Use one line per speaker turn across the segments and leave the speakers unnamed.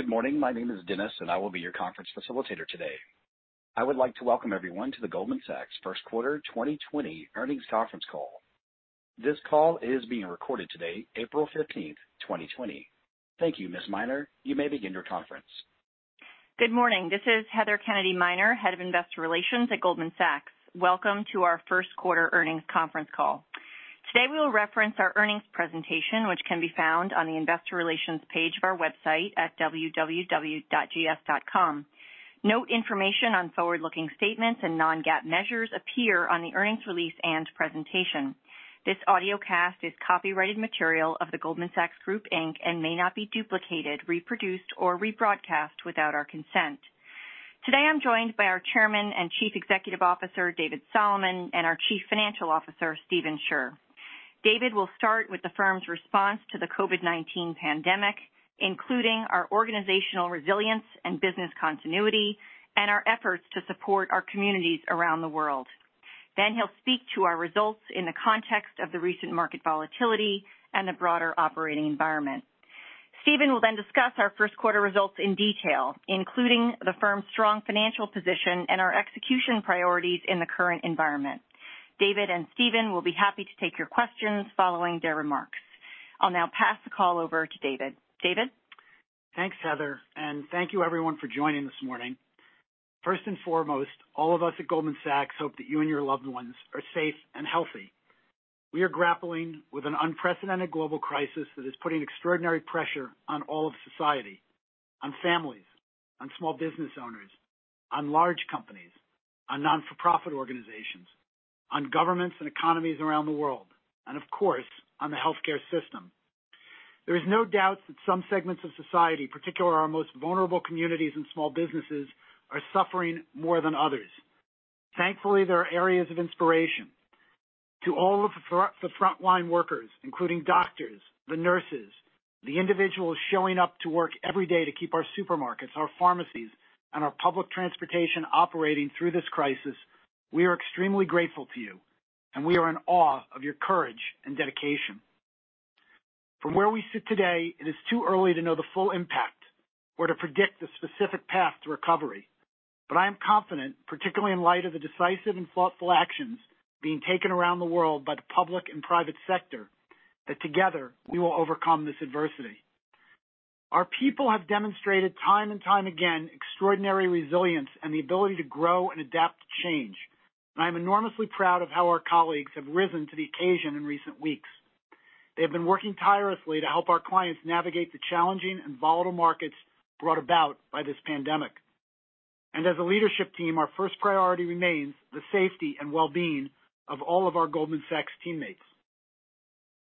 Good morning. My name is Dennis, and I will be your conference facilitator today. I would like to welcome everyone to the Goldman Sachs first quarter 2020 earnings conference call. This call is being recorded today, April 15th, 2020. Thank you, Ms. Miner. You may begin your conference.
Good morning. This is Heather Kennedy Miner, Head of Investor Relations at Goldman Sachs. Welcome to our first quarter earnings conference call. Today, we will reference our earnings presentation, which can be found on the investor relations page of our website at www.gs.com. Note information on forward-looking statements and non-GAAP measures appear on the earnings release and presentation. This audiocast is copyrighted material of The Goldman Sachs Group, Inc. and may not be duplicated, reproduced, or rebroadcast without our consent. Today, I'm joined by our Chairman and Chief Executive Officer, David Solomon, and our Chief Financial Officer, Stephen Scherr. David will start with the firm's response to the COVID-19 pandemic, including our organizational resilience and business continuity and our efforts to support our communities around the world. He'll speak to our results in the context of the recent market volatility and the broader operating environment. Stephen will then discuss our first quarter results in detail, including the firm's strong financial position and our execution priorities in the current environment. David and Stephen will be happy to take your questions following their remarks. I'll now pass the call over to David. David?
Thanks, Heather, and thank you, everyone, for joining this morning. First and foremost, all of us at Goldman Sachs hope that you and your loved ones are safe and healthy. We are grappling with an unprecedented global crisis that is putting extraordinary pressure on all of society, on families, on small business owners, on large companies, on not-for-profit organizations, on governments and economies around the world, and of course, on the healthcare system. There is no doubt that some segments of society, particularly our most vulnerable communities and small businesses, are suffering more than others. Thankfully, there are areas of inspiration. To all of the frontline workers, including doctors, the nurses, the individuals showing up to work every day to keep our supermarkets, our pharmacies, and our public transportation operating through this crisis, we are extremely grateful to you, and we are in awe of your courage and dedication. From where we sit today, it is too early to know the full impact or to predict the specific path to recovery. I am confident, particularly in light of the decisive and thoughtful actions being taken around the world by the public and private sector, that together we will overcome this adversity. Our people have demonstrated time and time again extraordinary resilience and the ability to grow and adapt to change. I'm enormously proud of how our colleagues have risen to the occasion in recent weeks. They have been working tirelessly to help our clients navigate the challenging and volatile markets brought about by this pandemic. As a leadership team, our first priority remains the safety and well-being of all of our Goldman Sachs teammates.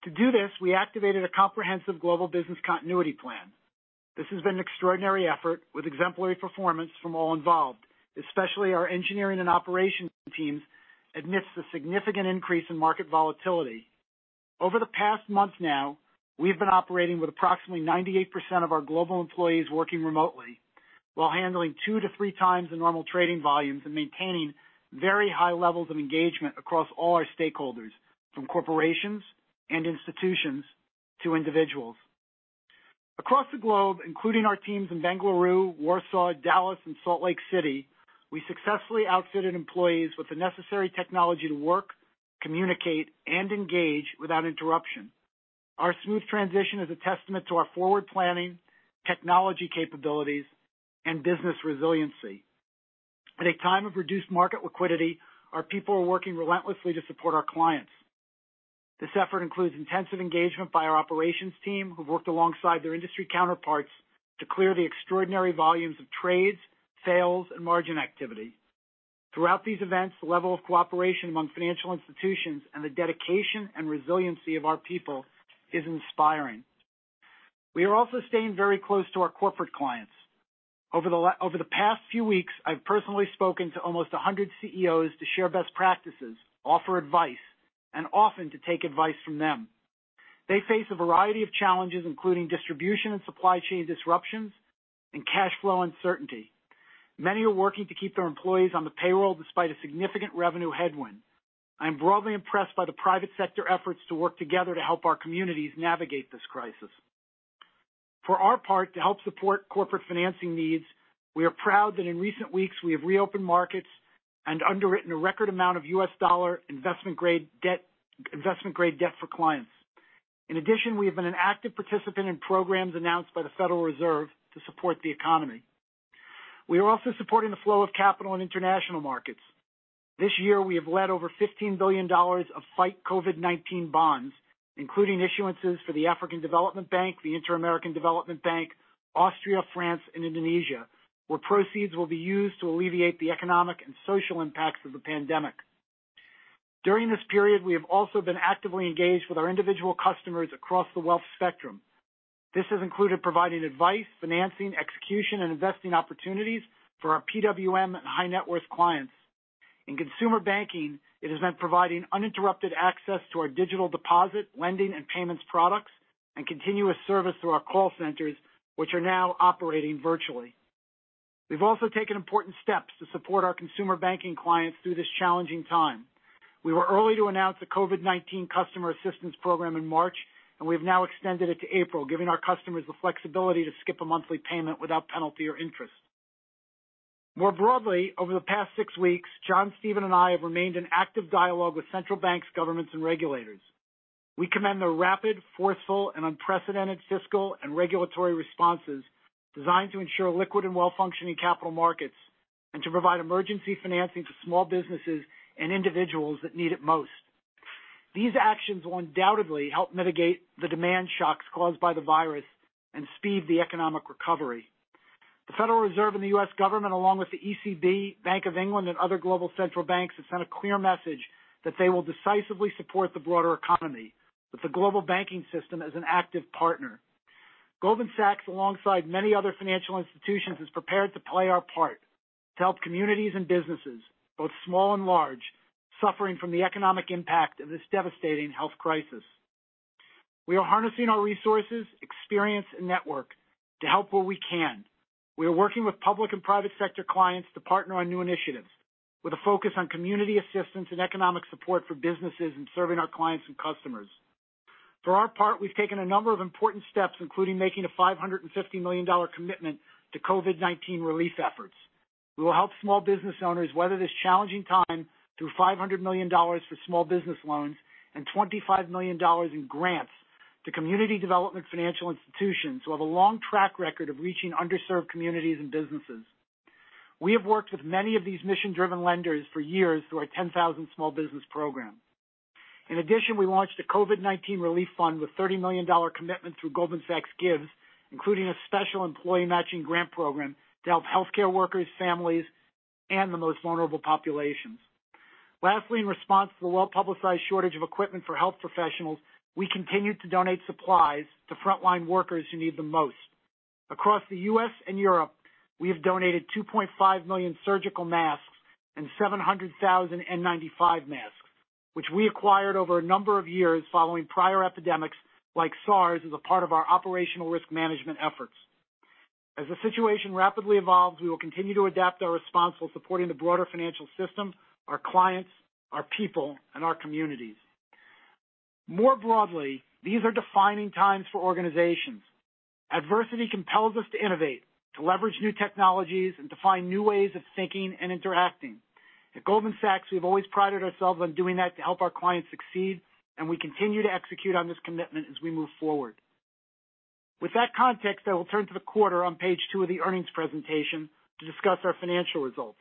To do this, we activated a comprehensive global business continuity plan. This has been an extraordinary effort with exemplary performance from all involved, especially our engineering and operations teams amidst the significant increase in market volatility. Over the past month now, we've been operating with approximately 98% of our global employees working remotely while handling two to three times the normal trading volumes and maintaining very high levels of engagement across all our stakeholders, from corporations and institutions to individuals. Across the globe, including our teams in Bengaluru, Warsaw, Dallas, and Salt Lake City, we successfully outfitted employees with the necessary technology to work, communicate, and engage without interruption. Our smooth transition is a testament to our forward planning, technology capabilities, and business resiliency. At a time of reduced market liquidity, our people are working relentlessly to support our clients. This effort includes intensive engagement by our operations team, who've worked alongside their industry counterparts to clear the extraordinary volumes of trades, sales, and margin activity. Throughout these events, the level of cooperation among financial institutions and the dedication and resiliency of our people is inspiring. We are also staying very close to our corporate clients. Over the past few weeks, I've personally spoken to almost 100 CEOs to share best practices, offer advice, and often to take advice from them. They face a variety of challenges, including distribution and supply chain disruptions and cash flow uncertainty. Many are working to keep their employees on the payroll despite a significant revenue headwind. I am broadly impressed by the private sector efforts to work together to help our communities navigate this crisis. For our part, to help support corporate financing needs, we are proud that in recent weeks we have reopened markets and underwritten a record amount of U.S. dollar investment-grade debt for clients. In addition, we have been an active participant in programs announced by the Federal Reserve to support the economy. We are also supporting the flow of capital in international markets. This year we have led over $15 billion of Fight COVID-19 bonds, including issuances for the African Development Bank, the Inter-American Development Bank, Austria, France, and Indonesia, where proceeds will be used to alleviate the economic and social impacts of the pandemic. During this period, we have also been actively engaged with our individual customers across the wealth spectrum. This has included providing advice, financing, execution, and investing opportunities for our PWM and high-net-worth clients. In consumer banking, it has meant providing uninterrupted access to our digital deposit, lending, and payments products and continuous service through our call centers, which are now operating virtually. We've also taken important steps to support our consumer banking clients through this challenging time. We were early to announce the COVID-19 customer assistance program in March, and we've now extended it to April, giving our customers the flexibility to skip a monthly payment without penalty or interest. More broadly, over the past six weeks, John, Stephen and I have remained in active dialogue with central banks, governments, and regulators. We commend the rapid, forceful, and unprecedented fiscal and regulatory responses designed to ensure liquid and well-functioning capital markets, and to provide emergency financing to small businesses and individuals that need it most. These actions will undoubtedly help mitigate the demand shocks caused by the virus and speed the economic recovery. The Federal Reserve and the U.S. government, along with the ECB, Bank of England, and other global central banks, have sent a clear message that they will decisively support the broader economy with the global banking system as an active partner. Goldman Sachs, alongside many other financial institutions, is prepared to play our part to help communities and businesses, both small and large, suffering from the economic impact of this devastating health crisis. We are harnessing our resources, experience, and network to help where we can. We are working with public and private sector clients to partner on new initiatives with a focus on community assistance and economic support for businesses in serving our clients and customers. For our part, we've taken a number of important steps, including making a $550 million commitment to COVID-19 relief efforts. We will help small business owners weather this challenging time through $500 million for small business loans and $25 million in grants to community development financial institutions who have a long track track record of reaching underserved communities and businesses. We have worked with many of these mission-driven lenders for years through our 10,000 Small Businesses program. In addition, we launched a COVID-19 relief fund with a $30 million commitment through Goldman Sachs Gives, including a special employee matching grant program to help healthcare workers, families, and the most vulnerable populations. Lastly, in response to the well-publicized shortage of equipment for health professionals, we continue to donate supplies to frontline workers who need the most. Across the U.S. and Europe, we have donated 2.5 million surgical masks and 700,000 N95 masks, which we acquired over a number of years following prior epidemics like SARS as a part of our operational risk management efforts. As the situation rapidly evolves, we will continue to adapt our response while supporting the broader financial system, our clients, our people, and our communities. More broadly, these are defining times for organizations. Adversity compels us to innovate, to leverage new technologies, and to find new ways of thinking and interacting. At Goldman Sachs, we've always prided ourselves on doing that to help our clients succeed, and we continue to execute on this commitment as we move forward. With that context, I will turn to the quarter on page two of the earnings presentation to discuss our financial results.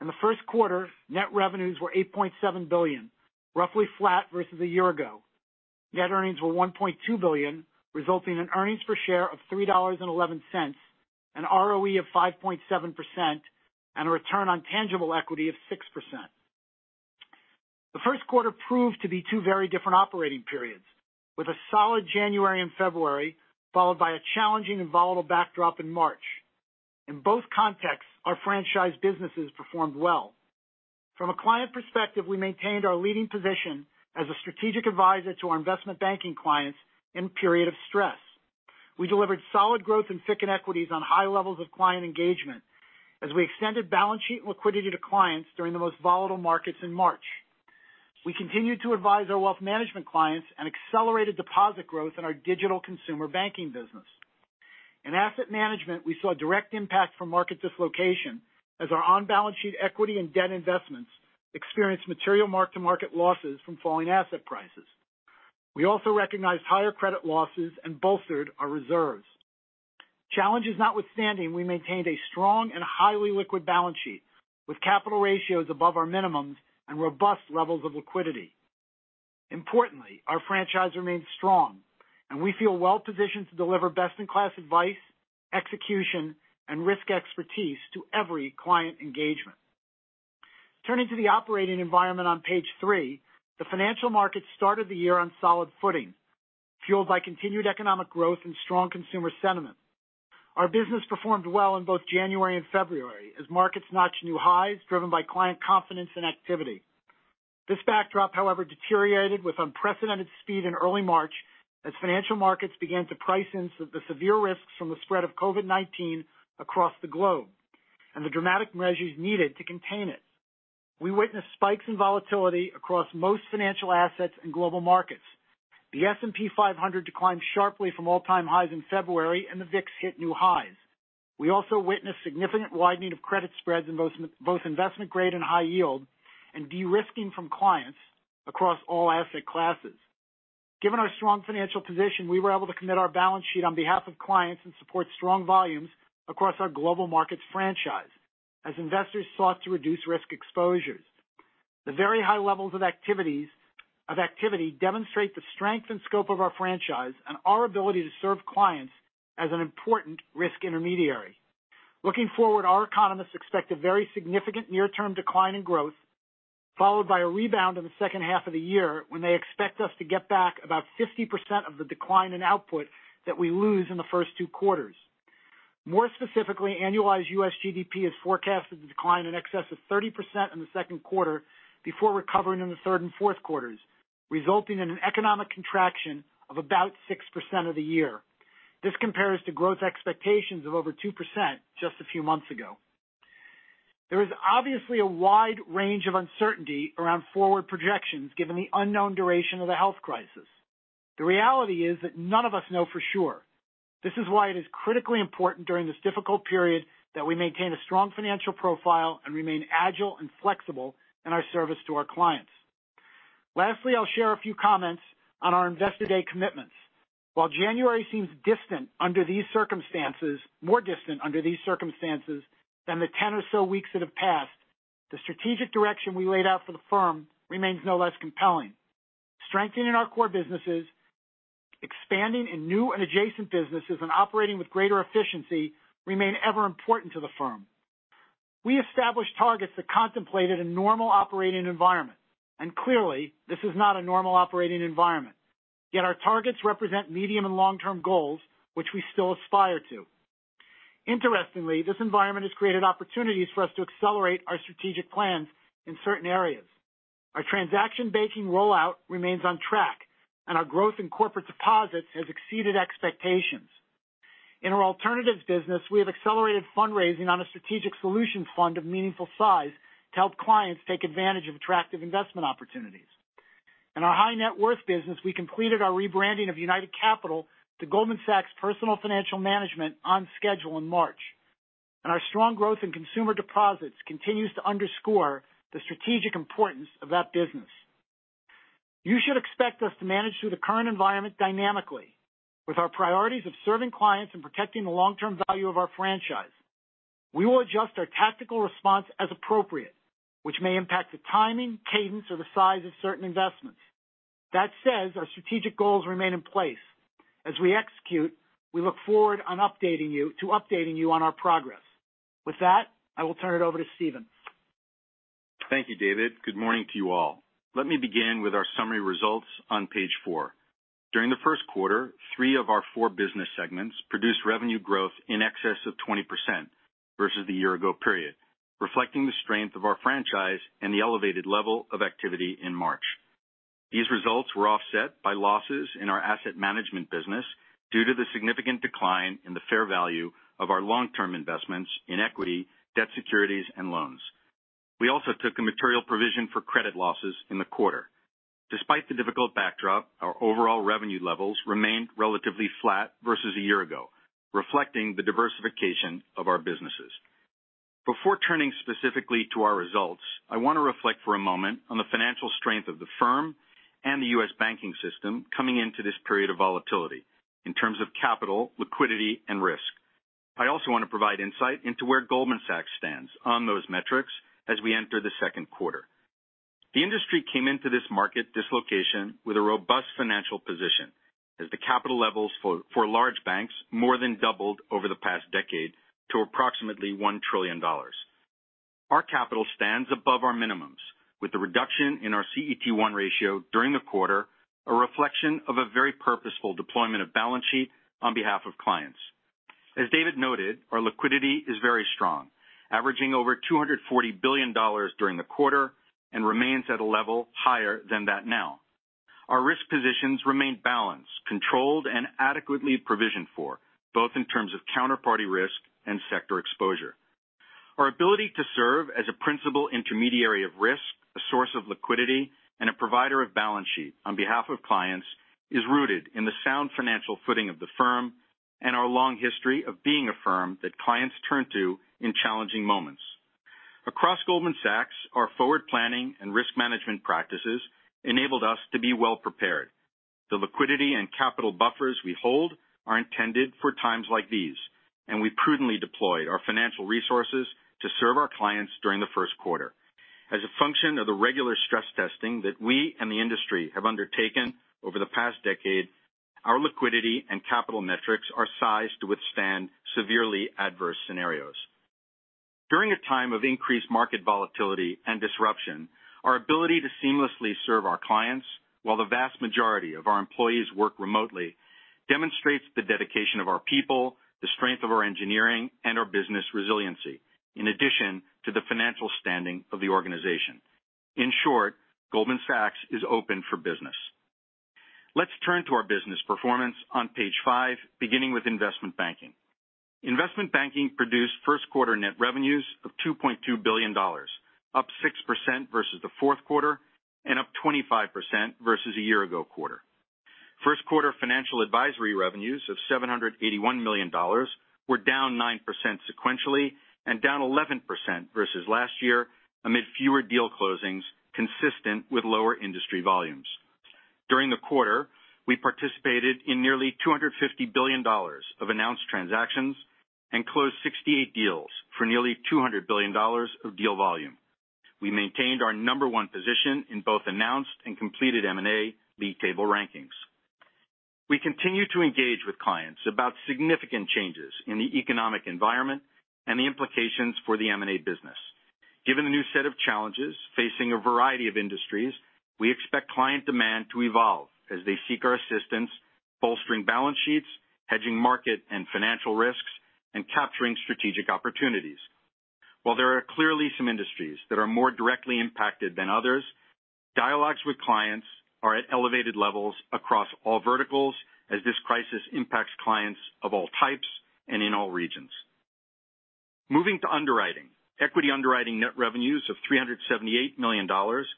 In the first quarter, net revenues were $8.7 billion, roughly flat versus a year ago. Net earnings were $1.2 billion, resulting in earnings per share of $3.11, an ROE of 5.7%, and a return on tangible equity of 6%. The first quarter proved to be two very different operating periods, with a solid January and February, followed by a challenging and volatile backdrop in March. In both contexts, our franchise businesses performed well. From a client perspective, we maintained our leading position as a strategic advisor to our investment banking clients in a period of stress. We delivered solid growth in FICC and equities on high levels of client engagement as we extended balance sheet and liquidity to clients during the most volatile markets in March. We continued to advise our wealth management clients and accelerated deposit growth in our digital consumer banking business. In asset management, we saw a direct impact from market dislocation as our on-balance sheet equity and debt investments experienced material mark-to-market losses from falling asset prices. We also recognized higher credit losses and bolstered our reserves. Challenges notwithstanding, we maintained a strong and highly liquid balance sheet with capital ratios above our minimums and robust levels of liquidity. Importantly, our franchise remains strong, and we feel well-positioned to deliver best-in-class advice, execution, and risk expertise to every client engagement. Turning to the operating environment on page three, the financial markets started the year on solid footing, fueled by continued economic growth and strong consumer sentiment. Our business performed well in both January and February as markets notched new highs driven by client confidence and activity. This backdrop, however, deteriorated with unprecedented speed in early March as financial markets began to price in the severe risks from the spread of COVID-19 across the globe and the dramatic measures needed to contain it. We witnessed spikes in volatility across most financial assets and global markets. The S&P 500 declined sharply from all-time highs in February, and the VIX hit new highs. We also witnessed significant widening of credit spreads in both investment grade and high yield, and de-risking from clients across all asset classes. Given our strong financial position, we were able to commit our balance sheet on behalf of clients and support strong volumes across our global markets franchise as investors sought to reduce risk exposures. The very high levels of activity demonstrate the strength and scope of our franchise and our ability to serve clients as an important risk intermediary. Looking forward, our economists expect a very significant near-term decline in growth, followed by a rebound in the second half of the year when they expect us to get back about 50% of the decline in output that we lose in the first two quarters. More specifically, annualized U.S. GDP is forecasted to decline in excess of 30% in the second quarter before recovering in the third and fourth quarters. Resulting in an economic contraction of about 6% of the year. This compares to growth expectations of over 2% just a few months ago. There is obviously a wide range of uncertainty around forward projections given the unknown duration of the health crisis. The reality is that none of us know for sure. This is why it is critically important during this difficult period that we maintain a strong financial profile and remain agile and flexible in our service to our clients. Lastly, I'll share a few comments on our Investor Day commitments. While January seems distant under these circumstances, more distant under these circumstances than the 10 or so weeks that have passed, the strategic direction we laid out for the firm remains no less compelling. Strengthening our core businesses, expanding in new and adjacent businesses, and operating with greater efficiency remain ever important to the firm. We established targets that contemplated a normal operating environment, and clearly this is not a normal operating environment. Yet our targets represent medium and long-term goals which we still aspire to. Interestingly, this environment has created opportunities for us to accelerate our strategic plans in certain areas. Our transaction banking rollout remains on track, and our growth in corporate deposits has exceeded expectations. In our alternatives business, we have accelerated fundraising on a strategic solutions fund of meaningful size to help clients take advantage of attractive investment opportunities. In our high net worth business, we completed our rebranding of United Capital to Goldman Sachs Personal Financial Management on schedule in March. Our strong growth in consumer deposits continues to underscore the strategic importance of that business. You should expect us to manage through the current environment dynamically with our priorities of serving clients and protecting the long-term value of our franchise. We will adjust our tactical response as appropriate, which may impact the timing, cadence, or the size of certain investments. That said, our strategic goals remain in place. As we execute, we look forward to updating you on our progress. With that, I will turn it over to Stephen.
Thank you, David. Good morning to you all. Let me begin with our summary results on page four. During the first quarter, three of our four business segments produced revenue growth in excess of 20% versus the year-ago period, reflecting the strength of our franchise and the elevated level of activity in March. These results were offset by losses in our asset management business due to the significant decline in the fair value of our long-term investments in equity, debt securities, and loans. We also took a material provision for credit losses in the quarter. Despite the difficult backdrop, our overall revenue levels remained relatively flat versus a year-ago, reflecting the diversification of our businesses. Before turning specifically to our results, I want to reflect for a moment on the financial strength of the firm and the U.S. banking system coming into this period of volatility in terms of capital, liquidity, and risk. I also want to provide insight into where Goldman Sachs stands on those metrics as we enter the second quarter. The industry came into this market dislocation with a robust financial position as the capital levels for large banks more than doubled over the past decade to approximately $1 trillion. Our capital stands above our minimums with the reduction in our CET1 ratio during the quarter, a reflection of a very purposeful deployment of balance sheet on behalf of clients. As David noted, our liquidity is very strong, averaging over $240 billion during the quarter and remains at a level higher than that now. Our risk positions remain balanced, controlled, and adequately provisioned for, both in terms of counterparty risk and sector exposure. Our ability to serve as a principal intermediary of risk, a source of liquidity, and a provider of balance sheet on behalf of clients is rooted in the sound financial footing of the firm and our long history of being a firm that clients turn to in challenging moments. Across Goldman Sachs, our forward planning and risk management practices enabled us to be well-prepared. The liquidity and capital buffers we hold are intended for times like these, and we prudently deployed our financial resources to serve our clients during the first quarter. As a function of the regular stress testing that we and the industry have undertaken over the past decade, our liquidity and capital metrics are sized to withstand severely adverse scenarios. During a time of increased market volatility and disruption, our ability to seamlessly serve our clients while the vast majority of our employees work remotely demonstrates the dedication of our people, the strength of our engineering, and our business resiliency, in addition to the financial standing of the organization. In short, Goldman Sachs is open for business. Let's turn to our business performance on page five, beginning with investment banking. Investment banking produced first quarter net revenues of $2.2 billion, up 6% versus the fourth quarter and up 25% versus a year ago quarter. First quarter financial advisory revenues of $781 million were down 9% sequentially and down 11% versus last year amid fewer deal closings consistent with lower industry volumes. During the quarter, we participated in nearly $250 billion of announced transactions and closed 68 deals for nearly $200 billion of deal volume. We maintained our number one position in both announced and completed M&A lead table rankings. We continue to engage with clients about significant changes in the economic environment and the implications for the M&A business. Given the new set of challenges facing a variety of industries, we expect client demand to evolve as they seek our assistance bolstering balance sheets, hedging market and financial risks, and capturing strategic opportunities. While there are clearly some industries that are more directly impacted than others, dialogues with clients are at elevated levels across all verticals as this crisis impacts clients of all types and in all regions. Moving to underwriting. Equity underwriting net revenues of $378 million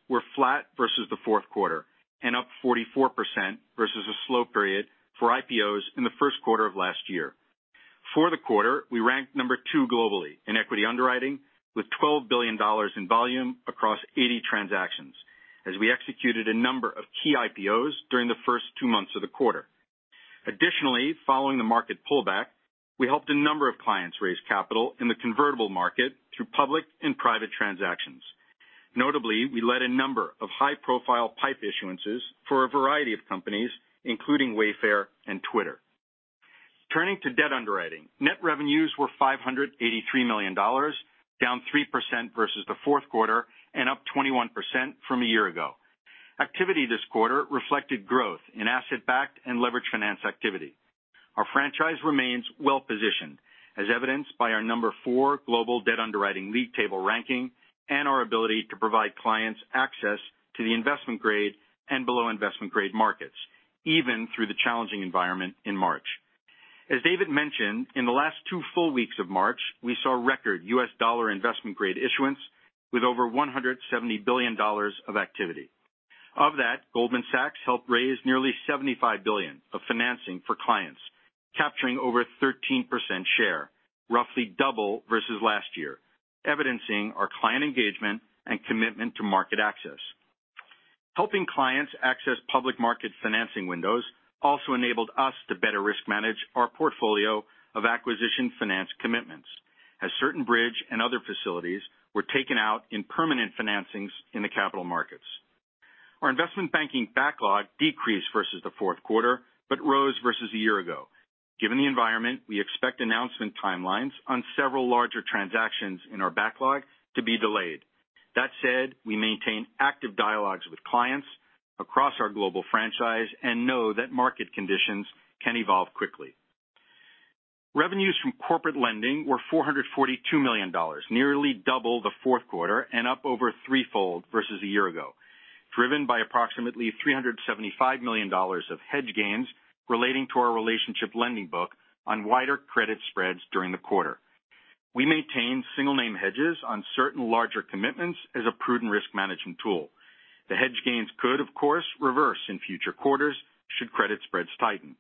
were flat versus the fourth quarter, and up 44% versus a slow period for IPOs in the first quarter of last year. For the quarter, we ranked number 2 globally in equity underwriting, with $12 billion in volume across 80 transactions as we executed a number of key IPOs during the first two months of the quarter. Additionally, following the market pullback, we helped a number of clients raise capital in the convertible market through public and private transactions. Notably, we led a number of high-profile PIPE issuances for a variety of companies, including Wayfair and Twitter. Turning to debt underwriting. Net revenues were $583 million, down 3% versus the fourth quarter and up 21% from a year ago. Activity this quarter reflected growth in asset-backed and leveraged finance activity. Our franchise remains well-positioned, as evidenced by our number 4 global debt underwriting league table ranking and our ability to provide clients access to the investment grade and below investment grade markets, even through the challenging environment in March. As David mentioned, in the last two full weeks of March, we saw record U.S. dollar investment grade issuance with over $170 billion of activity. Of that, Goldman Sachs helped raise nearly $75 billion of financing for clients, capturing over 13% share, roughly double versus last year, evidencing our client engagement and commitment to market access. Helping clients access public market financing windows also enabled us to better risk manage our portfolio of acquisition finance commitments as certain bridge and other facilities were taken out in permanent financings in the capital markets. Our investment banking backlog decreased versus the fourth quarter, but rose versus a year ago. Given the environment, we expect announcement timelines on several larger transactions in our backlog to be delayed. That said, we maintain active dialogues with clients across our global franchise and know that market conditions can evolve quickly. Revenues from corporate lending were $442 million, nearly double the fourth quarter and up over threefold versus a year ago, driven by approximately $375 million of hedge gains relating to our relationship lending book on wider credit spreads during the quarter. We maintain single-name hedges on certain larger commitments as a prudent risk management tool. The hedge gains could, of course, reverse in future quarters should credit spreads tighten.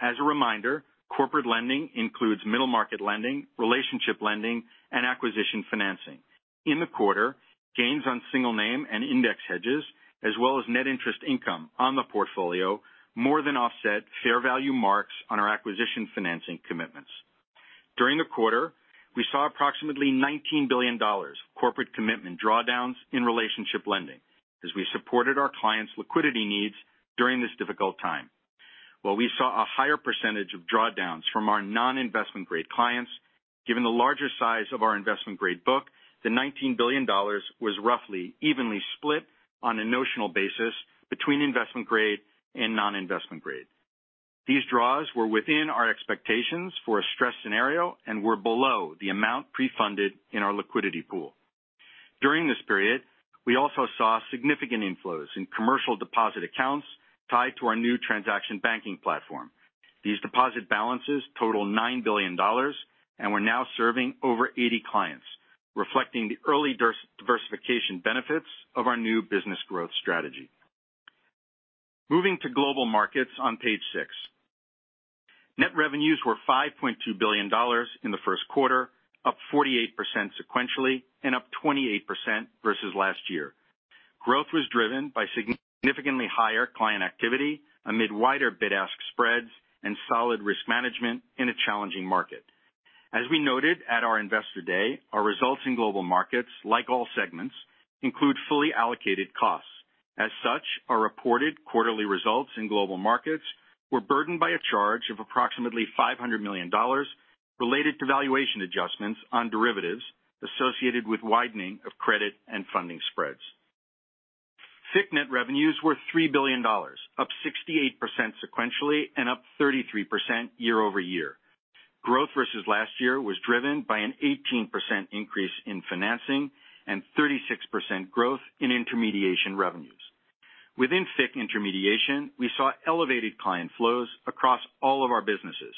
As a reminder, corporate lending includes middle market lending, relationship lending, and acquisition financing. In the quarter, gains on single name and index hedges, as well as net interest income on the portfolio more than offset fair value marks on our acquisition financing commitments. During the quarter, we saw approximately $19 billion of corporate commitment drawdowns in relationship lending as we supported our clients' liquidity needs during this difficult time. While we saw a higher percentage of drawdowns from our non-investment grade clients, given the larger size of our investment grade book, the $19 billion was roughly evenly split on a notional basis between investment grade and non-investment grade. These draws were within our expectations for a stress scenario and were below the amount pre-funded in our liquidity pool. During this period, we also saw significant inflows in commercial deposit accounts tied to our new transaction banking platform. These deposit balances total $9 billion, and we're now serving over 80 clients, reflecting the early diversification benefits of our new business growth strategy. Moving to Global Markets on page six. Net revenues were $5.2 billion in the first quarter, up 48% sequentially and up 28% versus last year. Growth was driven by significantly higher client activity amid wider bid-ask spreads and solid risk management in a challenging market. As we noted at our investor day, our results in Global Markets, like all segments, include fully allocated costs. Our reported quarterly results in Global Markets were burdened by a charge of approximately $500 million related to valuation adjustments on derivatives associated with widening of credit and funding spreads. FICC net revenues were $3 billion, up 68% sequentially and up 33% year-over-year. Growth versus last year was driven by an 18% increase in financing and 36% growth in intermediation revenues. Within FICC intermediation, we saw elevated client flows across all of our businesses,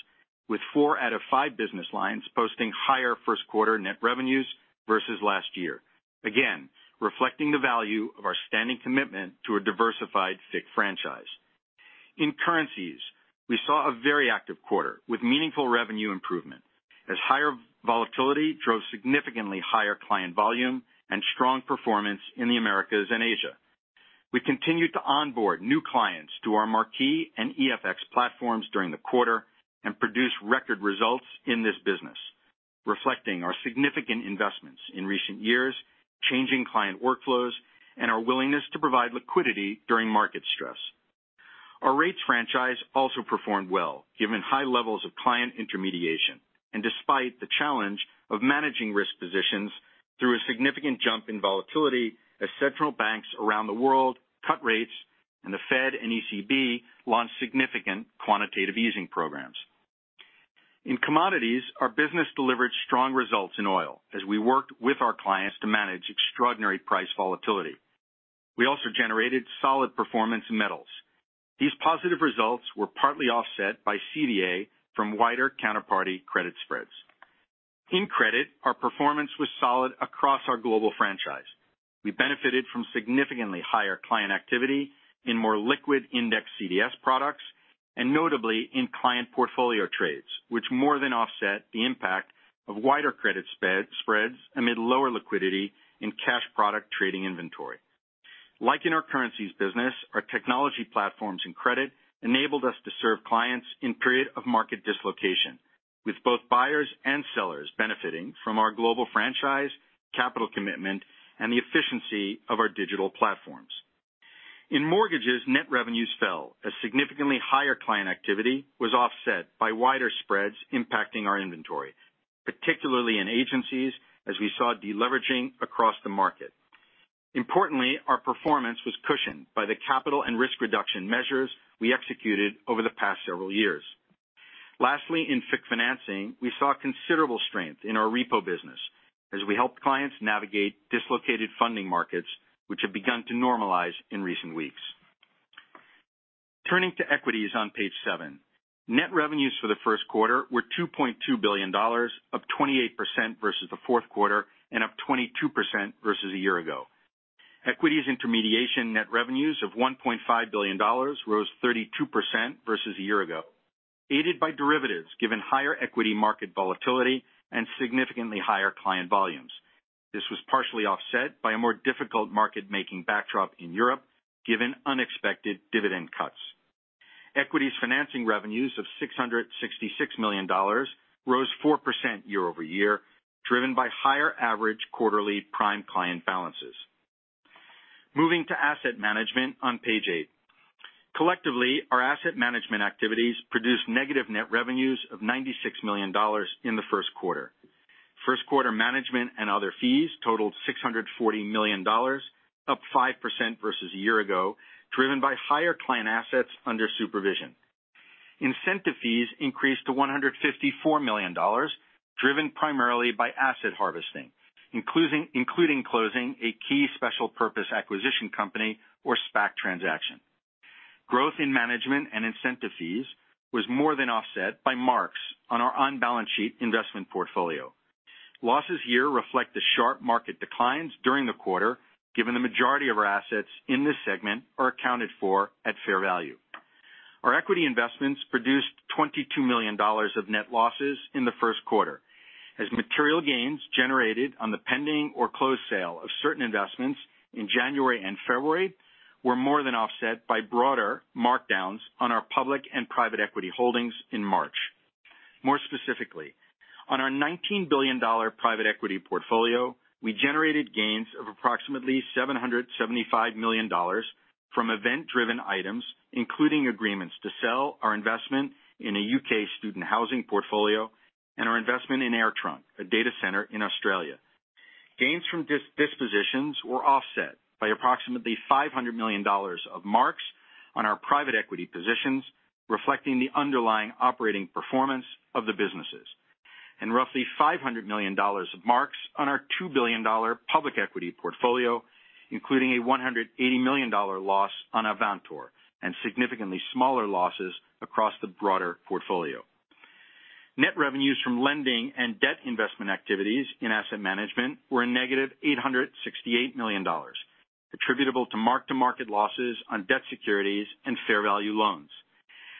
with four out of five business lines posting higher first quarter net revenues versus last year, again, reflecting the value of our standing commitment to a diversified FICC franchise. In currencies, we saw a very active quarter with meaningful revenue improvement as higher volatility drove significantly higher client volume and strong performance in the Americas and Asia. We continued to onboard new clients to our Marquee and EFX platforms during the quarter and produced record results in this business, reflecting our significant investments in recent years, changing client workflows, and our willingness to provide liquidity during market stress. Our rates franchise also performed well given high levels of client intermediation and despite the challenge of managing risk positions through a significant jump in volatility as central banks around the world cut rates. The Fed and ECB launched significant quantitative easing programs. In commodities, our business delivered strong results in oil as we worked with our clients to manage extraordinary price volatility. We also generated solid performance in metals. These positive results were partly offset by CVA from wider counterparty credit spreads. In credit, our performance was solid across our global franchise. We benefited from significantly higher client activity in more liquid index CDS products, and notably in client portfolio trades, which more than offset the impact of wider credit spreads amid lower liquidity in cash product trading inventory. Like in our currencies business, our technology platforms in credit enabled us to serve clients in period of market dislocation, with both buyers and sellers benefiting from our global franchise, capital commitment, and the efficiency of our digital platforms. In mortgages, net revenues fell as significantly higher client activity was offset by wider spreads impacting our inventory, particularly in agencies, as we saw deleveraging across the market. Importantly, our performance was cushioned by the capital and risk reduction measures we executed over the past several years. Lastly, in FICC financing, we saw considerable strength in our repo business as we helped clients navigate dislocated funding markets, which have begun to normalize in recent weeks. Turning to equities on page seven. Net revenues for the first quarter were $2.2 billion, up 28% versus the fourth quarter, up 22% versus a year ago. Equities intermediation net revenues of $1.5 billion rose 32% versus a year ago, aided by derivatives given higher equity market volatility and significantly higher client volumes. This was partially offset by a more difficult market making backdrop in Europe, given unexpected dividend cuts. Equities financing revenues of $666 million rose 4% year-over-year, driven by higher average quarterly prime client balances. Moving to asset management on page eight. Collectively, our asset management activities produced negative net revenues of $96 million in the first quarter. First quarter management and other fees totaled $640 million, up 5% versus a year ago, driven by higher client assets under supervision. Incentive fees increased to $154 million, driven primarily by asset harvesting, including closing a key special purpose acquisition company or SPAC transaction. Growth in management and incentive fees was more than offset by marks on our on-balance sheet investment portfolio. Losses here reflect the sharp market declines during the quarter, given the majority of our assets in this segment are accounted for at fair value. Our equity investments produced $22 million of net losses in the first quarter, as material gains generated on the pending or closed sale of certain investments in January and February were more than offset by broader markdowns on our public and private equity holdings in March. More specifically, on our $19 billion private equity portfolio, we generated gains of approximately $775 million from event-driven items, including agreements to sell our investment in a U.K. student housing portfolio and our investment in AirTrunk, a data center in Australia. Gains from dispositions were offset by approximately $500 million of marks on our private equity positions, reflecting the underlying operating performance of the businesses. Roughly $500 million of marks on our $2 billion public equity portfolio, including a $180 million loss on Avantor, and significantly smaller losses across the broader portfolio. Net revenues from lending and debt investment activities in asset management were a negative $868 million, attributable to mark-to-market losses on debt securities and fair value loans.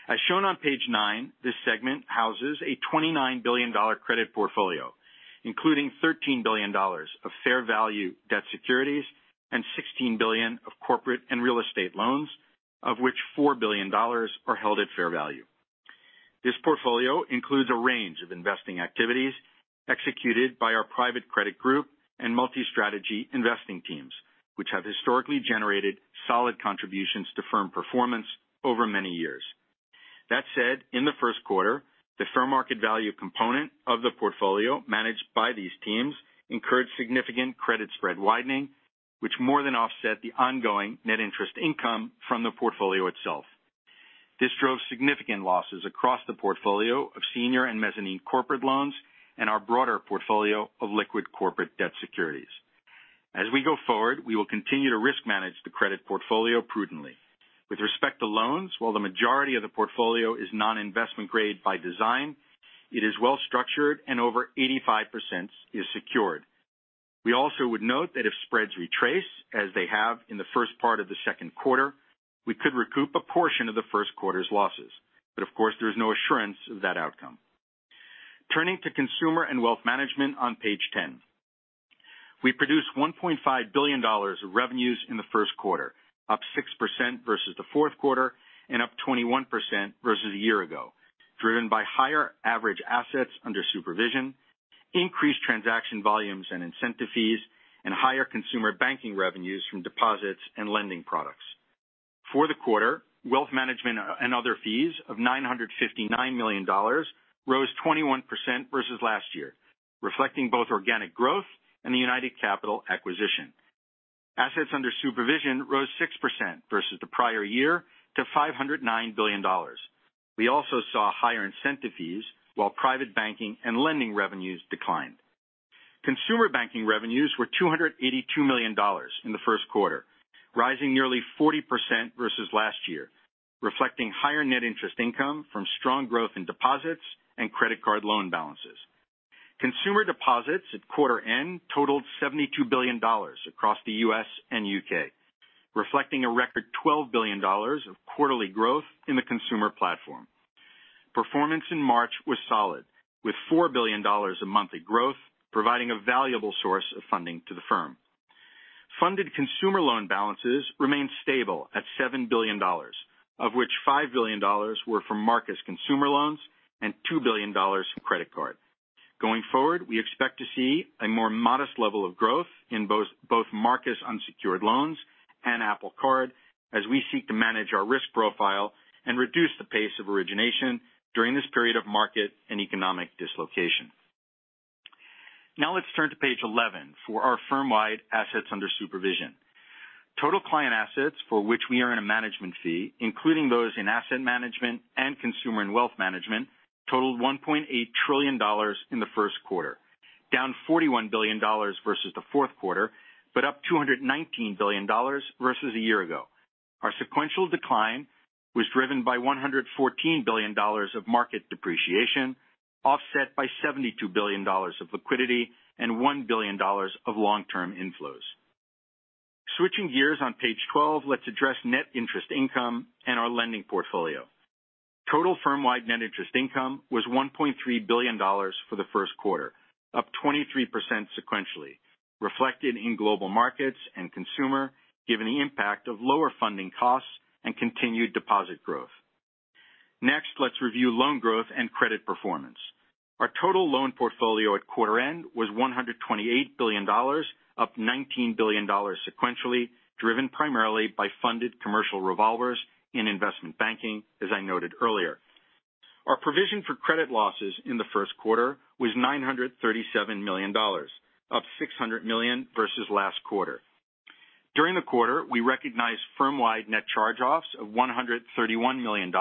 As shown on page nine, this segment houses a $29 billion credit portfolio, including $13 billion of fair value debt securities and $16 billion of corporate and real estate loans, of which $4 billion are held at fair value. This portfolio includes a range of investing activities executed by our private credit group and multi-strategy investing teams, which have historically generated solid contributions to firm performance over many years. That said, in the first quarter, the fair market value component of the portfolio managed by these teams incurred significant credit spread widening, which more than offset the ongoing net interest income from the portfolio itself. This drove significant losses across the portfolio of senior and mezzanine corporate loans and our broader portfolio of liquid corporate debt securities. As we go forward, we will continue to risk manage the credit portfolio prudently. With respect to loans, while the majority of the portfolio is non-investment grade by design, it is well-structured and over 85% is secured. We also would note that if spreads retrace as they have in the first part of the second quarter, we could recoup a portion of the first quarter's losses. Of course, there is no assurance of that outcome. Turning to Consumer and Wealth Management on page 10. We produced $1.5 billion of revenues in the first quarter, up 6% versus the fourth quarter and up 21% versus a year ago, driven by higher average assets under supervision, increased transaction volumes and incentive fees, and higher consumer banking revenues from deposits and lending products. For the quarter, wealth management and other fees of $959 million rose 21% versus last year, reflecting both organic growth and the United Capital acquisition. Assets under supervision rose 6% versus the prior year to $509 billion. We also saw higher incentive fees while private banking and lending revenues declined. Consumer banking revenues were $282 million in the first quarter, rising nearly 40% versus last year, reflecting higher net interest income from strong growth in deposits and credit card loan balances. Consumer deposits at quarter end totaled $72 billion across the U.S. and U.K., reflecting a record $12 billion of quarterly growth in the consumer platform. Performance in March was solid, with $4 billion of monthly growth, providing a valuable source of funding to the firm. Funded consumer loan balances remained stable at $7 billion, of which $5 billion were from Marcus consumer loans and $2 billion from credit card. Going forward, we expect to see a more modest level of growth in both Marcus unsecured loans and Apple Card as we seek to manage our risk profile and reduce the pace of origination during this period of market and economic dislocation. Let's turn to page 11 for our firm-wide assets under supervision. Total client assets for which we earn a management fee, including those in asset management and consumer and wealth management, totaled $1.8 trillion in the first quarter, down $41 billion versus the fourth quarter, but up $219 billion versus a year ago. Our sequential decline was driven by $114 billion of market depreciation, offset by $72 billion of liquidity and $1 billion of long-term inflows. Switching gears on page 12, let's address net interest income and our lending portfolio. Total firm-wide net interest income was $1.3 billion for the first quarter, up 23% sequentially, reflected in global markets and consumer, given the impact of lower funding costs and continued deposit growth. Next, let's review loan growth and credit performance. Our total loan portfolio at quarter end was $128 billion, up $19 billion sequentially, driven primarily by funded commercial revolvers in investment banking, as I noted earlier. Our provision for credit losses in the first quarter was $937 million, up $600 million versus last quarter. During the quarter, we recognized firm-wide net charge-offs of $131 million,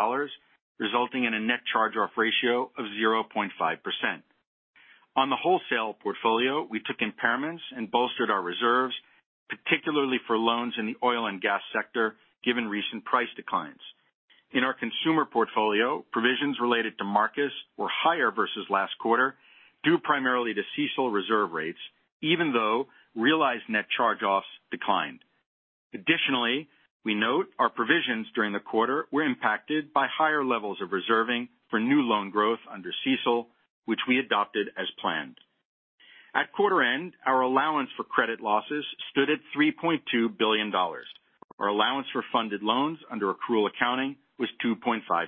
resulting in a net charge-off ratio of 0.5%. On the wholesale portfolio, we took impairments and bolstered our reserves, particularly for loans in the oil and gas sector, given recent price declines. In our consumer portfolio, provisions related to Marcus were higher versus last quarter, due primarily to CECL reserve rates, even though realized net charge-offs declined. Additionally, we note our provisions during the quarter were impacted by higher levels of reserving for new loan growth under CECL, which we adopted as planned. At quarter end, our allowance for credit losses stood at $3.2 billion. Our allowance for funded loans under accrual accounting was 2.5%.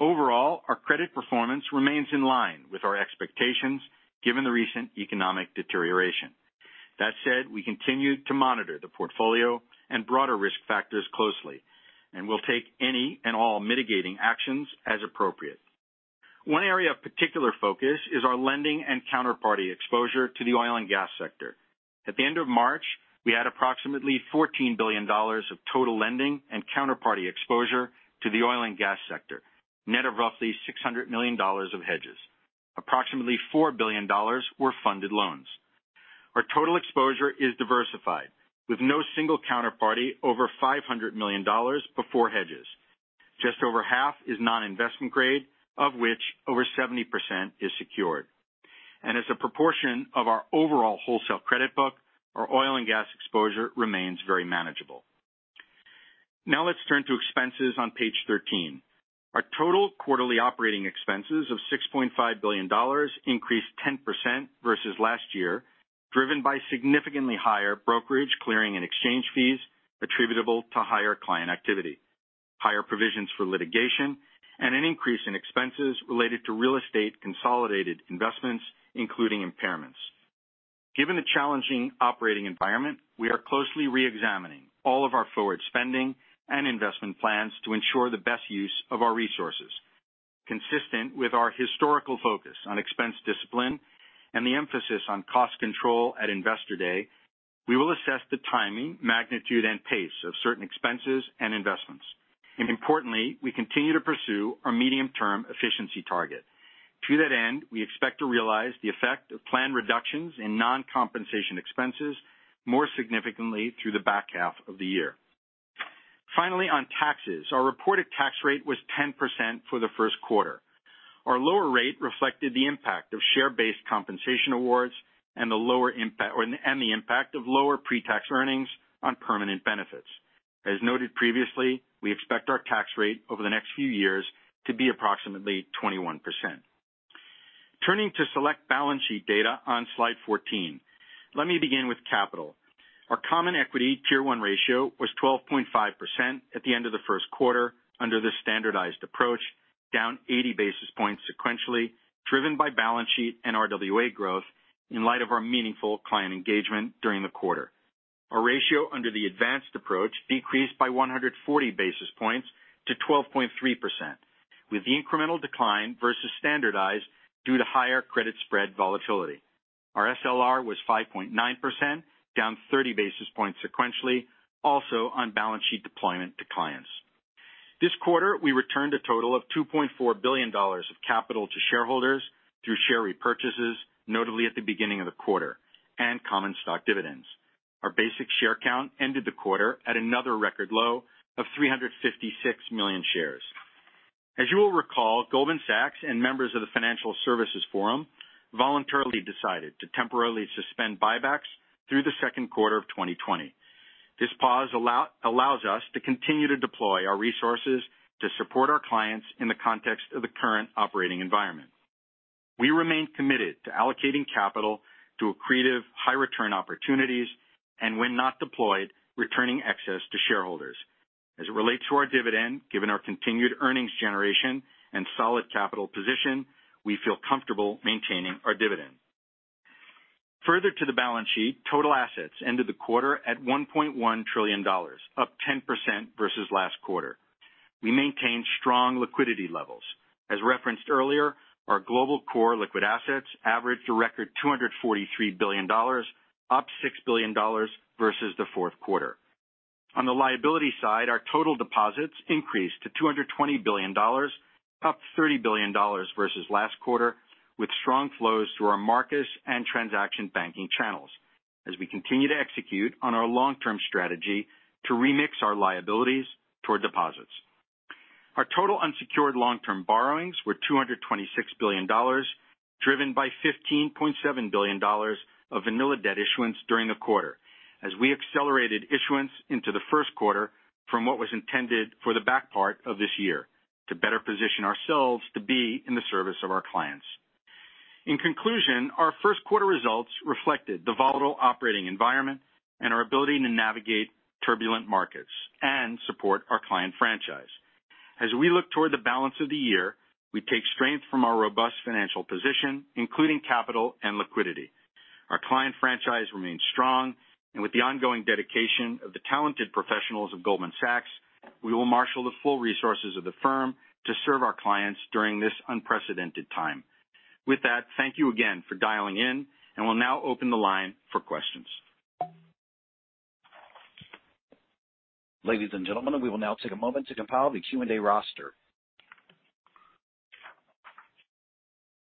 Overall, our credit performance remains in line with our expectations given the recent economic deterioration. That said, we continue to monitor the portfolio and broader risk factors closely, and will take any and all mitigating actions as appropriate. One area of particular focus is our lending and counterparty exposure to the oil and gas sector. At the end of March, we had approximately $14 billion of total lending and counterparty exposure to the oil and gas sector, net of roughly $600 million of hedges. Approximately $4 billion were funded loans. Our total exposure is diversified, with no single counterparty over $500 million before hedges. Just over half is non-investment grade, of which over 70% is secured. As a proportion of our overall wholesale credit book, our oil and gas exposure remains very manageable. Let's turn to expenses on page 13. Our total quarterly operating expenses of $6.5 billion increased 10% versus last year, driven by significantly higher brokerage clearing and exchange fees attributable to higher client activity, higher provisions for litigation, and an increase in expenses related to real estate consolidated investments, including impairments. Given the challenging operating environment, we are closely re-examining all of our forward spending and investment plans to ensure the best use of our resources. Consistent with our historical focus on expense discipline and the emphasis on cost control at Investor Day, we will assess the timing, magnitude, and pace of certain expenses and investments. Importantly, we continue to pursue our medium-term efficiency target. To that end, we expect to realize the effect of planned reductions in non-compensation expenses more significantly through the back half of the year. Finally, on taxes. Our reported tax rate was 10% for the first quarter. Our lower rate reflected the impact of share-based compensation awards and the impact of lower pre-tax earnings on permanent benefits. As noted previously, we expect our tax rate over the next few years to be approximately 21%. Turning to select balance sheet data on slide 14. Let me begin with capital. Our common equity tier 1 ratio was 12.5% at the end of the first quarter under the standardized approach, down 80 basis points sequentially, driven by balance sheet and RWA growth in light of our meaningful client engagement during the quarter. Our ratio under the advanced approach decreased by 140 basis points to 12.3%, with the incremental decline versus standardized due to higher credit spread volatility. Our SLR was 5.9%, down 30 basis points sequentially, also on balance sheet deployment to clients. This quarter, we returned a total of $2.4 billion of capital to shareholders through share repurchases, notably at the beginning of the quarter, and common stock dividends. Our basic share count ended the quarter at another record low of 356 million shares. As you will recall, Goldman Sachs and members of the Financial Services Forum voluntarily decided to temporarily suspend buybacks through the second quarter of 2020. This pause allows us to continue to deploy our resources to support our clients in the context of the current operating environment. We remain committed to allocating capital to accretive high-return opportunities, and when not deployed, returning excess to shareholders. As it relates to our dividend, given our continued earnings generation and solid capital position, we feel comfortable maintaining our dividend. Further to the balance sheet, total assets ended the quarter at $1.1 trillion, up 10% versus last quarter. We maintained strong liquidity levels. As referenced earlier, our global core liquid assets averaged a record $243 billion, up $6 billion versus the fourth quarter. On the liability side, our total deposits increased to $220 billion, up $30 billion versus last quarter, with strong flows through our Marcus and transaction banking channels as we continue to execute on our long-term strategy to remix our liabilities toward deposits. Our total unsecured long-term borrowings were $226 billion, driven by $15.7 billion of vanilla debt issuance during the quarter, as we accelerated issuance into the first quarter from what was intended for the back part of this year to better position ourselves to be in the service of our clients. In conclusion, our first quarter results reflected the volatile operating environment and our ability to navigate turbulent markets and support our client franchise. As we look toward the balance of the year, we take strength from our robust financial position, including capital and liquidity. Our client franchise remains strong, and with the ongoing dedication of the talented professionals of Goldman Sachs, we will marshal the full resources of the firm to serve our clients during this unprecedented time. With that, thank you again for dialing in, and we'll now open the line for questions.
Ladies and gentlemen, we will now take a moment to compile the Q&A roster.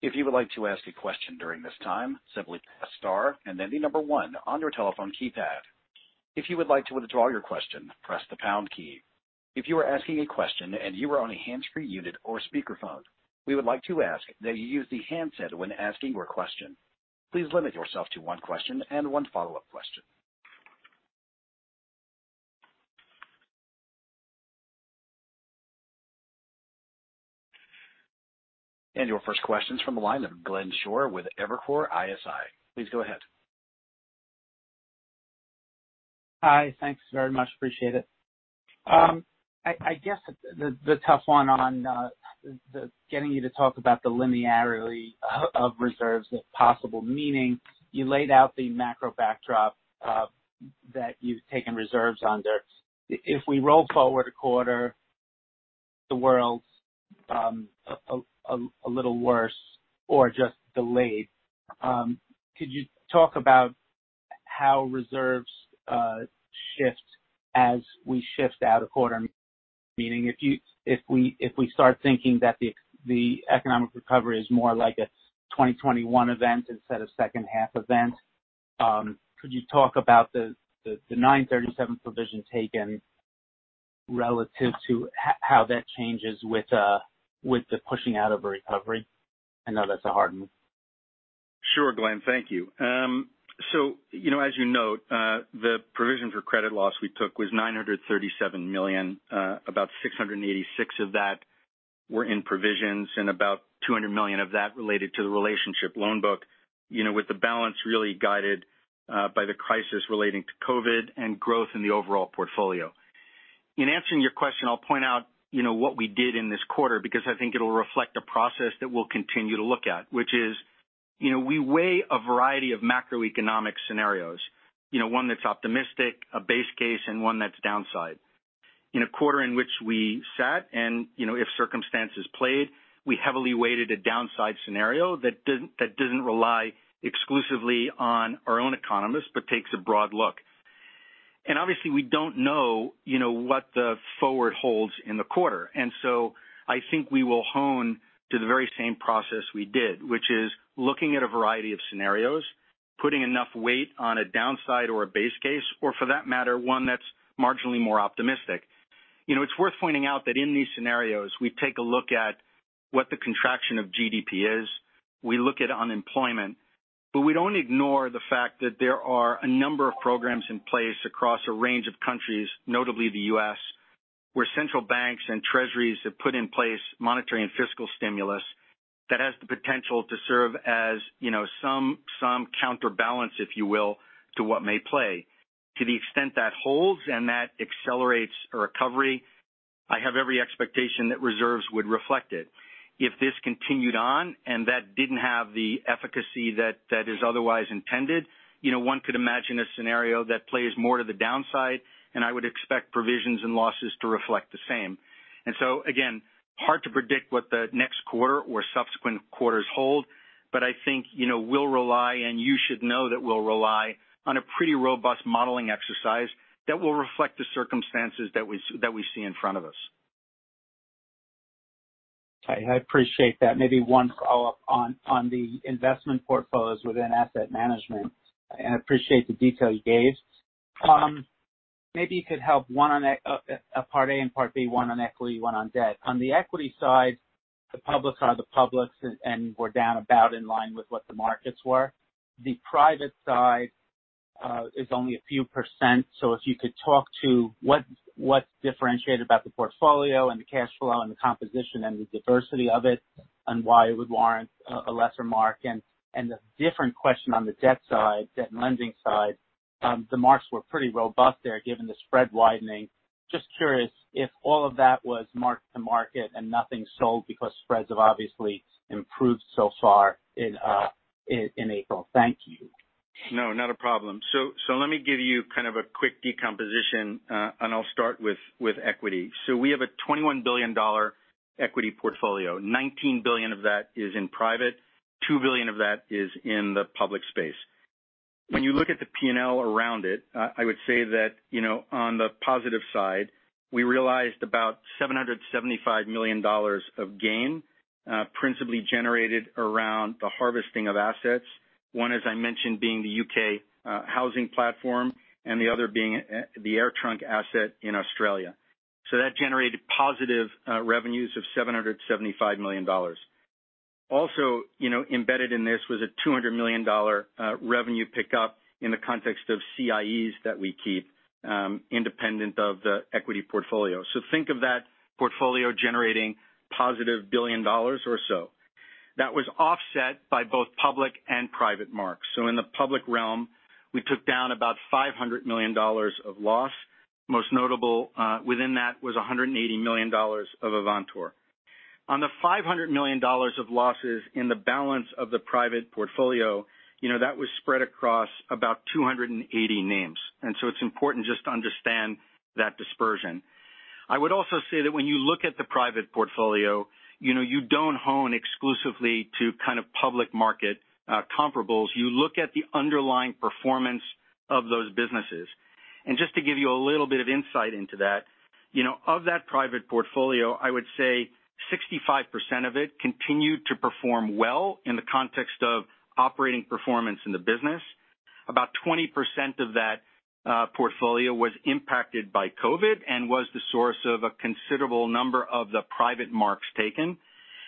If you would like to ask a question during this time, simply press star and then the number 1 on your telephone keypad. If you would like to withdraw your question, press the pound key. If you are asking a question and you are on a hands-free unit or speakerphone, we would like to ask that you use the handset when asking your question. Please limit yourself to one question and one follow-up question. Your first question's from the line of Glenn Schorr with Evercore ISI. Please go ahead.
Hi. Thanks very much. Appreciate it. I guess the tough one on getting you to talk about the linearity of reserves, if possible, meaning you laid out the macro backdrop that you've taken reserves under. If we roll forward a quarter, the world's a little worse or just delayed. Could you talk about how reserves shift as we shift out a quarter, meaning if we start thinking that the economic recovery is more like a 2021 event instead of second half event, could you talk about the 937 provision taken relative to how that changes with the pushing out of a recovery? I know that's a hard one.
Glenn, thank you. As you note, the provision for credit loss we took was $937 million. About $686 million of that were in provisions and about $200 million of that related to the relationship loan book, with the balance really guided by the crisis relating to COVID and growth in the overall portfolio. In answering your question, I'll point out what we did in this quarter because I think it'll reflect a process that we'll continue to look at, which is we weigh a variety of macroeconomic scenarios. One that's optimistic, a base case, and one that's downside. In a quarter in which we sat and if circumstances played, we heavily weighted a downside scenario that didn't rely exclusively on our own economists, but takes a broad look. Obviously, we don't know what the forward holds in the quarter. I think we will hone to the very same process we did, which is looking at a variety of scenarios, putting enough weight on a downside or a base case, or for that matter, one that's marginally more optimistic. It's worth pointing out that in these scenarios, we take a look at what the contraction of GDP is. We look at unemployment. We don't ignore the fact that there are a number of programs in place across a range of countries, notably the U.S., where central banks and treasuries have put in place monetary and fiscal stimulus that has the potential to serve as some counterbalance, if you will, to what may play. To the extent that holds and that accelerates a recovery, I have every expectation that reserves would reflect it. If this continued on and that didn't have the efficacy that is otherwise intended, one could imagine a scenario that plays more to the downside, and I would expect provisions and losses to reflect the same. Again, hard to predict what the next quarter or subsequent quarters hold, but I think we'll rely, and you should know that we'll rely on a pretty robust modeling exercise that will reflect the circumstances that we see in front of us.
I appreciate that. Maybe one follow-up on the investment portfolios within asset management, and I appreciate the detail you gave. Maybe you could help, a part A and part B, one on equity, one on debt. On the equity side, the public are the publics, and we're down about in line with what the markets were. The private side is only a few %. If you could talk to what's differentiated about the portfolio and the cash flow and the composition and the diversity of it, and why it would warrant a lesser mark. The different question on the debt side, debt and lending side. The marks were pretty robust there given the spread widening. Just curious if all of that was mark-to-market and nothing sold because spreads have obviously improved so far in April. Thank you.
No, not a problem. Let me give you kind of a quick decomposition, and I'll start with equity. We have a $21 billion equity portfolio. $19 billion of that is in private. $2 billion of that is in the public space. When you look at the P&L around it, I would say that on the positive side, we realized about $775 million of gain, principally generated around the harvesting of assets. One, as I mentioned, being the U.K. housing platform and the other being the AirTrunk asset in Australia. That generated positive revenues of $775 million. Also embedded in this was a $200 million revenue pickup in the context of CIEs that we keep independent of the equity portfolio. Think of that portfolio generating positive $1 billion or so. That was offset by both public and private marks. In the public realm, we took down about $500 million of loss. Most notable within that was $180 million of Avantor. On the $500 million of losses in the balance of the private portfolio, that was spread across about 280 names. It's important just to understand that dispersion. I would also say that when you look at the private portfolio, you don't hone exclusively to kind of public market comparables. You look at the underlying performance of those businesses. Just to give you a little bit of insight into that. Of that private portfolio, I would say 65% of it continued to perform well in the context of operating performance in the business. About 20% of that portfolio was impacted by COVID-19 and was the source of a considerable number of the private marks taken.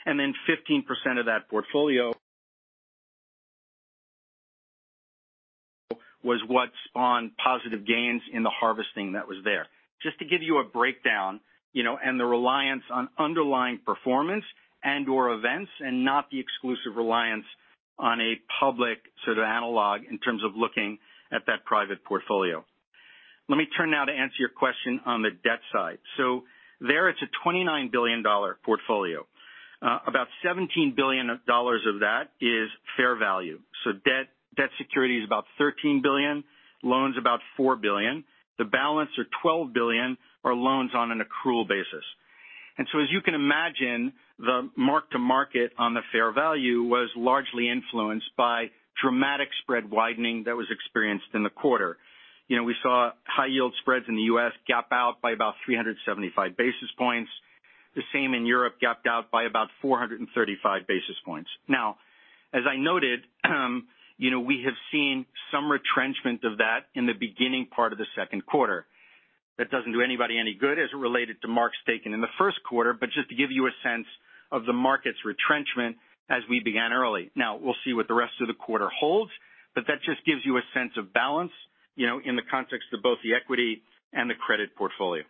Then 15% of that portfolio was what spawned positive gains in the harvesting that was there. Just to give you a breakdown, and the reliance on underlying performance and or events, and not the exclusive reliance on a public sort of analog in terms of looking at that private portfolio. Let me turn now to answer your question on the debt side. There it's a $29 billion portfolio. About $17 billion of that is fair value. Debt security is about $13 billion, loans about $4 billion. The balance of $12 billion are loans on an accrual basis. As you can imagine, the mark-to-market on the fair value was largely influenced by dramatic spread widening that was experienced in the quarter. We saw high yield spreads in the U.S. gap out by about 375 basis points. The same in Europe, gapped out by about 435 basis points. As I noted, we have seen some retrenchment of that in the beginning part of the second quarter. That doesn't do anybody any good as it related to marks taken in the first quarter, but just to give you a sense of the market's retrenchment as we began early. We'll see what the rest of the quarter holds, but that just gives you a sense of balance in the context of both the equity and the credit portfolio.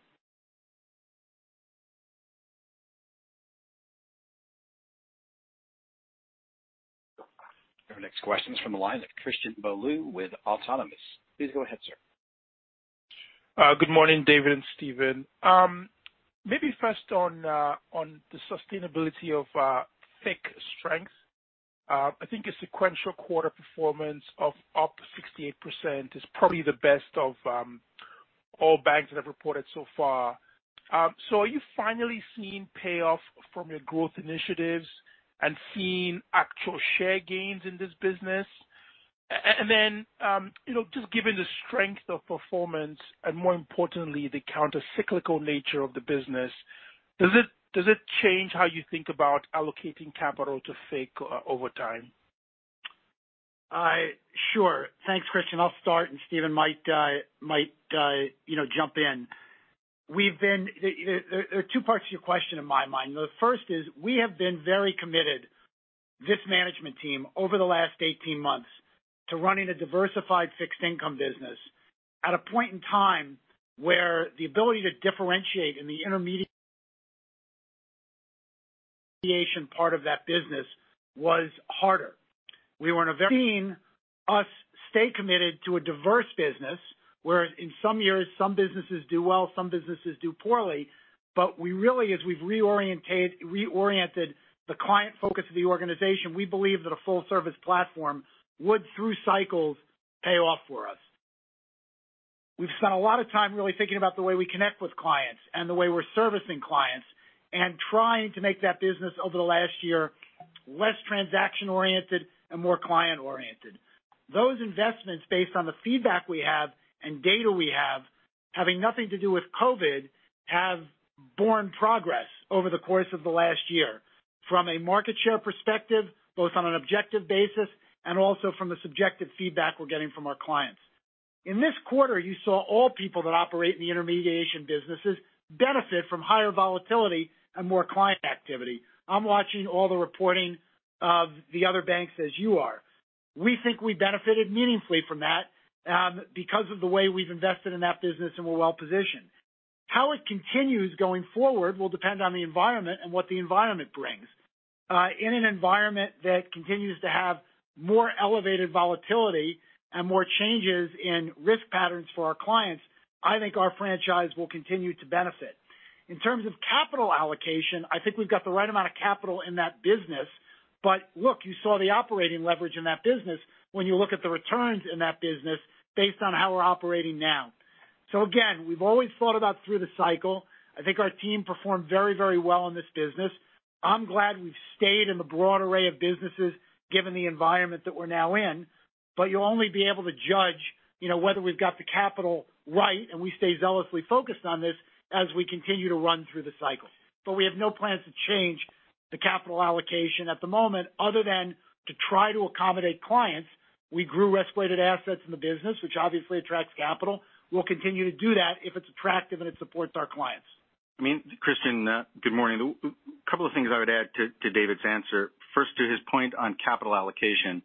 Our next question is from the line of Christian Bolu with Autonomous Research. Please go ahead, sir.
Good morning, David and Stephen. Maybe first on the sustainability of FICC strength. I think a sequential quarter performance of up 68% is probably the best of all banks that have reported so far. Are you finally seeing payoff from your growth initiatives and seeing actual share gains in this business? Just given the strength of performance and more importantly, the countercyclical nature of the business, does it change how you think about allocating capital to FICC over time?
Sure. Thanks, Christian. I'll start, and Stephen might jump in. There are two parts to your question in my mind. The first is we have been very committed, this management team over the last 18 months, to running a diversified fixed income business at a point in time where the ability to differentiate in the intermediation part of that business was harder. We were in a very seen us stay committed to a diverse business, where in some years some businesses do well, some businesses do poorly. We really, as we've reoriented the client focus of the organization, we believe that a full-service platform would, through cycles, pay off for us. We've spent a lot of time really thinking about the way we connect with clients and the way we're servicing clients, and trying to make that business over the last year less transaction-oriented and more client-oriented. Those investments, based on the feedback we have and data we have, having nothing to do with COVID, have borne progress over the course of the last year from a market share perspective, both on an objective basis and also from the subjective feedback we're getting from our clients. In this quarter, you saw all people that operate in the intermediation businesses benefit from higher volatility and more client activity. I'm watching all the reporting of the other banks as you are. We think we benefited meaningfully from that because of the way we've invested in that business, and we're well-positioned. How it continues going forward will depend on the environment and what the environment brings. In an environment that continues to have more elevated volatility and more changes in risk patterns for our clients, I think our franchise will continue to benefit. In terms of capital allocation, I think we've got the right amount of capital in that business. Look, you saw the operating leverage in that business when you look at the returns in that business based on how we're operating now. Again, we've always thought about through the cycle. I think our team performed very well in this business. I'm glad we've stayed in the broad array of businesses given the environment that we're now in, but you'll only be able to judge whether we've got the capital right, and we stay zealously focused on this as we continue to run through the cycle. We have no plans to change the capital allocation at the moment other than to try to accommodate clients. We grew risk-weighted assets in the business, which obviously attracts capital. We'll continue to do that if it's attractive and it supports our clients.
Christian, good morning. A couple of things I would add to David's answer. First, to his point on capital allocation.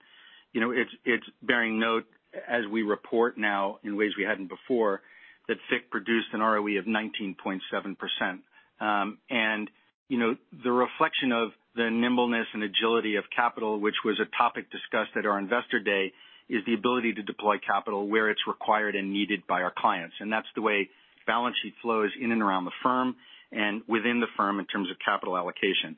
It's bearing note as we report now in ways we hadn't before, that FICC produced an ROE of 19.7%. The reflection of the nimbleness and agility of capital, which was a topic discussed at our investor day, is the ability to deploy capital where it's required and needed by our clients. That's the way balance sheet flows in and around the firm and within the firm in terms of capital allocation.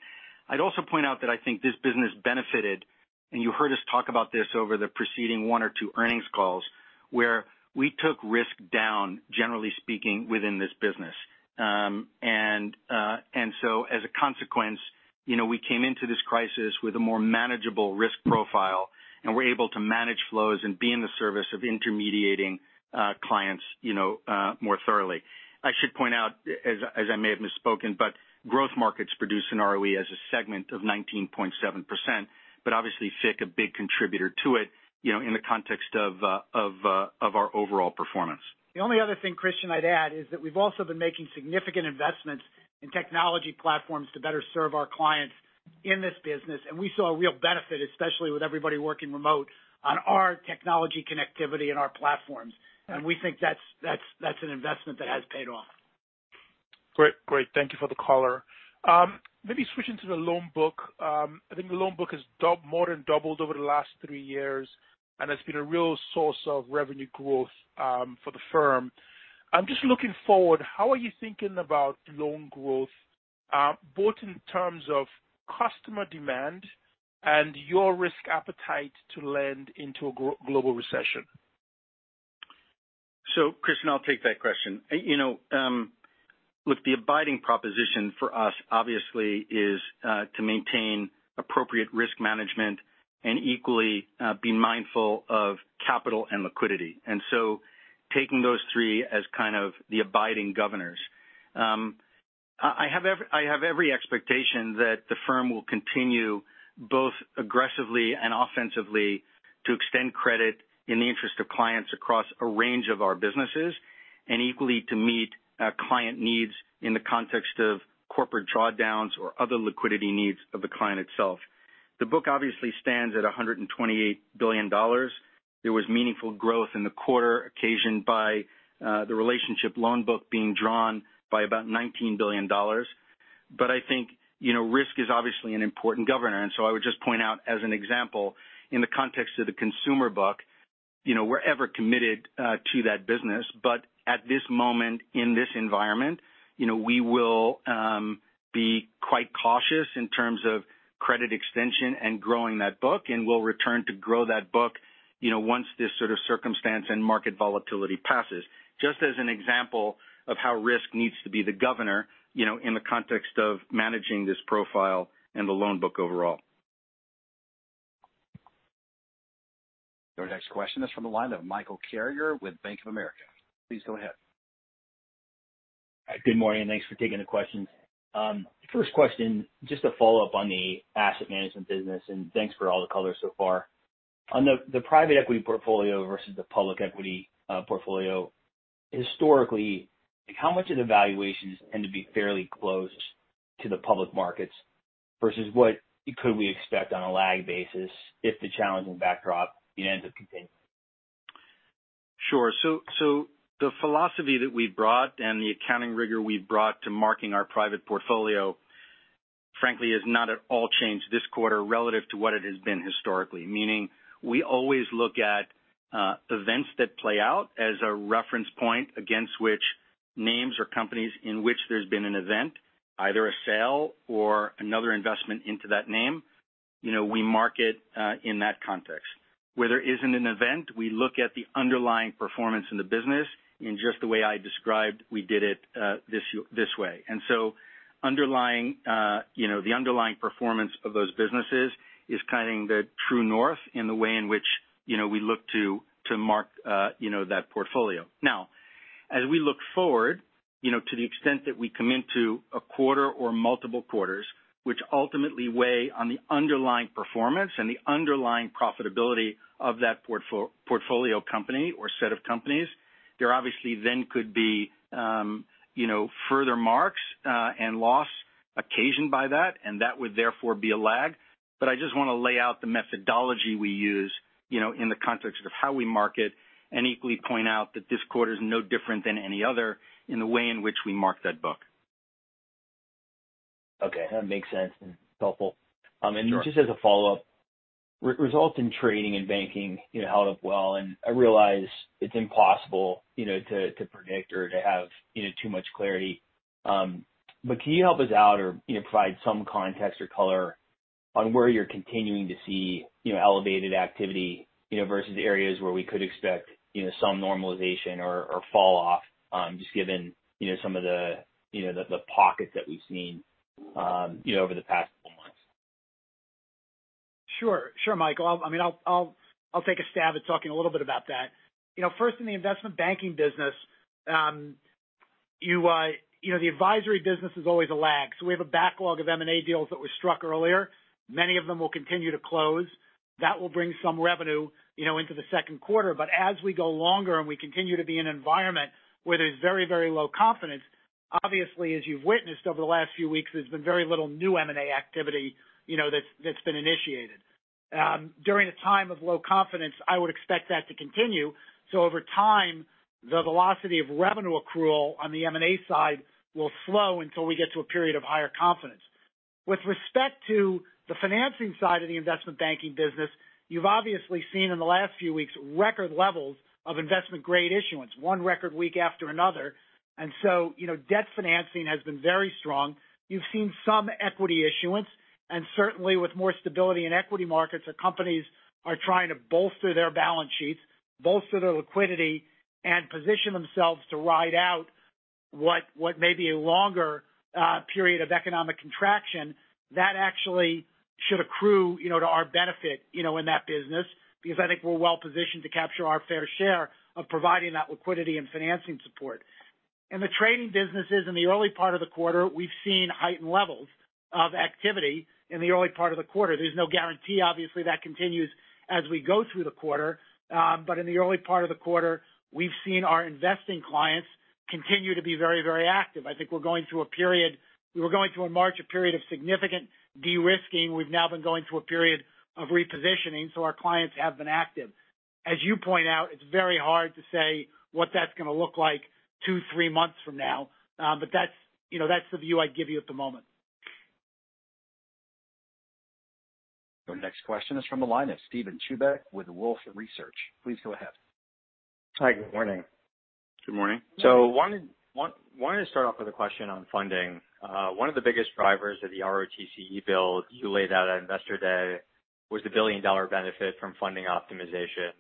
I'd also point out that I think this business benefited, and you heard us talk about this over the preceding one or two earnings calls, where we took risk down, generally speaking, within this business. As a consequence, we came into this crisis with a more manageable risk profile, and we're able to manage flows and be in the service of intermediating clients more thoroughly. I should point out, as I may have misspoken, but growth markets produce an ROE as a segment of 19.7%, but obviously FICC a big contributor to it in the context of our overall performance.
The only other thing, Christian, I'd add is that we've also been making significant investments in technology platforms to better serve our clients in this business. We saw a real benefit, especially with everybody working remote, on our technology connectivity and our platforms. We think that's an investment that has paid off.
Great. Thank you for the color. Maybe switching to the loan book. I think the loan book has more than doubled over the last three years, and it's been a real source of revenue growth for the firm. I'm just looking forward, how are you thinking about loan growth, both in terms of customer demand and your risk appetite to lend into a global recession?
Christian, I'll take that question. Look, the abiding proposition for us, obviously, is to maintain appropriate risk management and equally be mindful of capital and liquidity. Taking those three as kind of the abiding governors. I have every expectation that the firm will continue both aggressively and offensively to extend credit in the interest of clients across a range of our businesses, and equally to meet client needs in the context of corporate drawdowns or other liquidity needs of the client itself. The book obviously stands at $128 billion. There was meaningful growth in the quarter occasioned by the relationship loan book being drawn by about $19 billion. I think risk is obviously an important governor, and so I would just point out as an example, in the context of the consumer book, we're ever committed to that business. At this moment in this environment, we will be quite cautious in terms of credit extension and growing that book, and we'll return to grow that book once this sort of circumstance and market volatility passes. Just as an example of how risk needs to be the governor in the context of managing this profile and the loan book overall.
Your next question is from the line of Michael Carrier with Bank of America. Please go ahead.
Good morning. Thanks for taking the questions. First question, just a follow-up on the asset management business, and thanks for all the color so far. On the private equity portfolio versus the public equity portfolio, historically, how much of the valuations tend to be fairly close to the public markets versus what could we expect on a lag basis if the challenging backdrop ends up continuing?
Sure. The philosophy that we've brought and the accounting rigor we've brought to marking our private portfolio, frankly, has not at all changed this quarter relative to what it has been historically. Meaning we always look at events that play out as a reference point against which names or companies in which there's been an event, either a sale or another investment into that name, we mark it in that context. Where there isn't an event, we look at the underlying performance in the business in just the way I described we did it this way. The underlying performance of those businesses is kind of the true north in the way in which we look to mark that portfolio. As we look forward, to the extent that we come into a quarter or multiple quarters which ultimately weigh on the underlying performance and the underlying profitability of that portfolio company or set of companies, there obviously then could be further marks and loss occasioned by that, and that would therefore be a lag. I just want to lay out the methodology we use in the context of how we mark, and equally point out that this quarter is no different than any other in the way in which we mark that book.
Okay. That makes sense and helpful.
Sure.
Just as a follow-up, results in trading and banking held up well, and I realize it's impossible to predict or to have too much clarity. Can you help us out or provide some context or color on where you're continuing to see elevated activity versus areas where we could expect some normalization or fall off just given some of the pockets that we've seen over the past couple months?
Sure, Michael. I'll take a stab at talking a little bit about that. First, in the investment banking business, the advisory business is always a lag. We have a backlog of M&A deals that were struck earlier. Many of them will continue to close. That will bring some revenue into the second quarter. As we go longer and we continue to be in an environment where there's very low confidence, obviously as you've witnessed over the last few weeks, there's been very little new M&A activity that's been initiated. During a time of low confidence, I would expect that to continue. Over time, the velocity of revenue accrual on the M&A side will slow until we get to a period of higher confidence. With respect to the financing side of the investment banking business, you've obviously seen in the last few weeks record levels of investment grade issuance, one record week after another. Debt financing has been very strong. You've seen some equity issuance, and certainly with more stability in equity markets, the companies are trying to bolster their balance sheets, bolster their liquidity, and position themselves to ride out what may be a longer period of economic contraction that actually should accrue to our benefit in that business because I think we're well positioned to capture our fair share of providing that liquidity and financing support. In the trading businesses in the early part of the quarter, we've seen heightened levels of activity in the early part of the quarter. There's no guarantee, obviously, that continues as we go through the quarter. In the early part of the quarter, we've seen our investing clients continue to be very active. I think we were going through in March a period of significant de-risking. We've now been going through a period of repositioning, so our clients have been active. As you point out, it's very hard to say what that's going to look like two, three months from now. That's the view I'd give you at the moment.
Our next question is from the line of Steven Chubak with Wolfe Research. Please go ahead.
Hi. Good morning.
Good morning.
Wanted to start off with a question on funding. One of the biggest drivers of the ROTCE build you laid out at Investor Day was the billion-dollar benefit from funding optimization.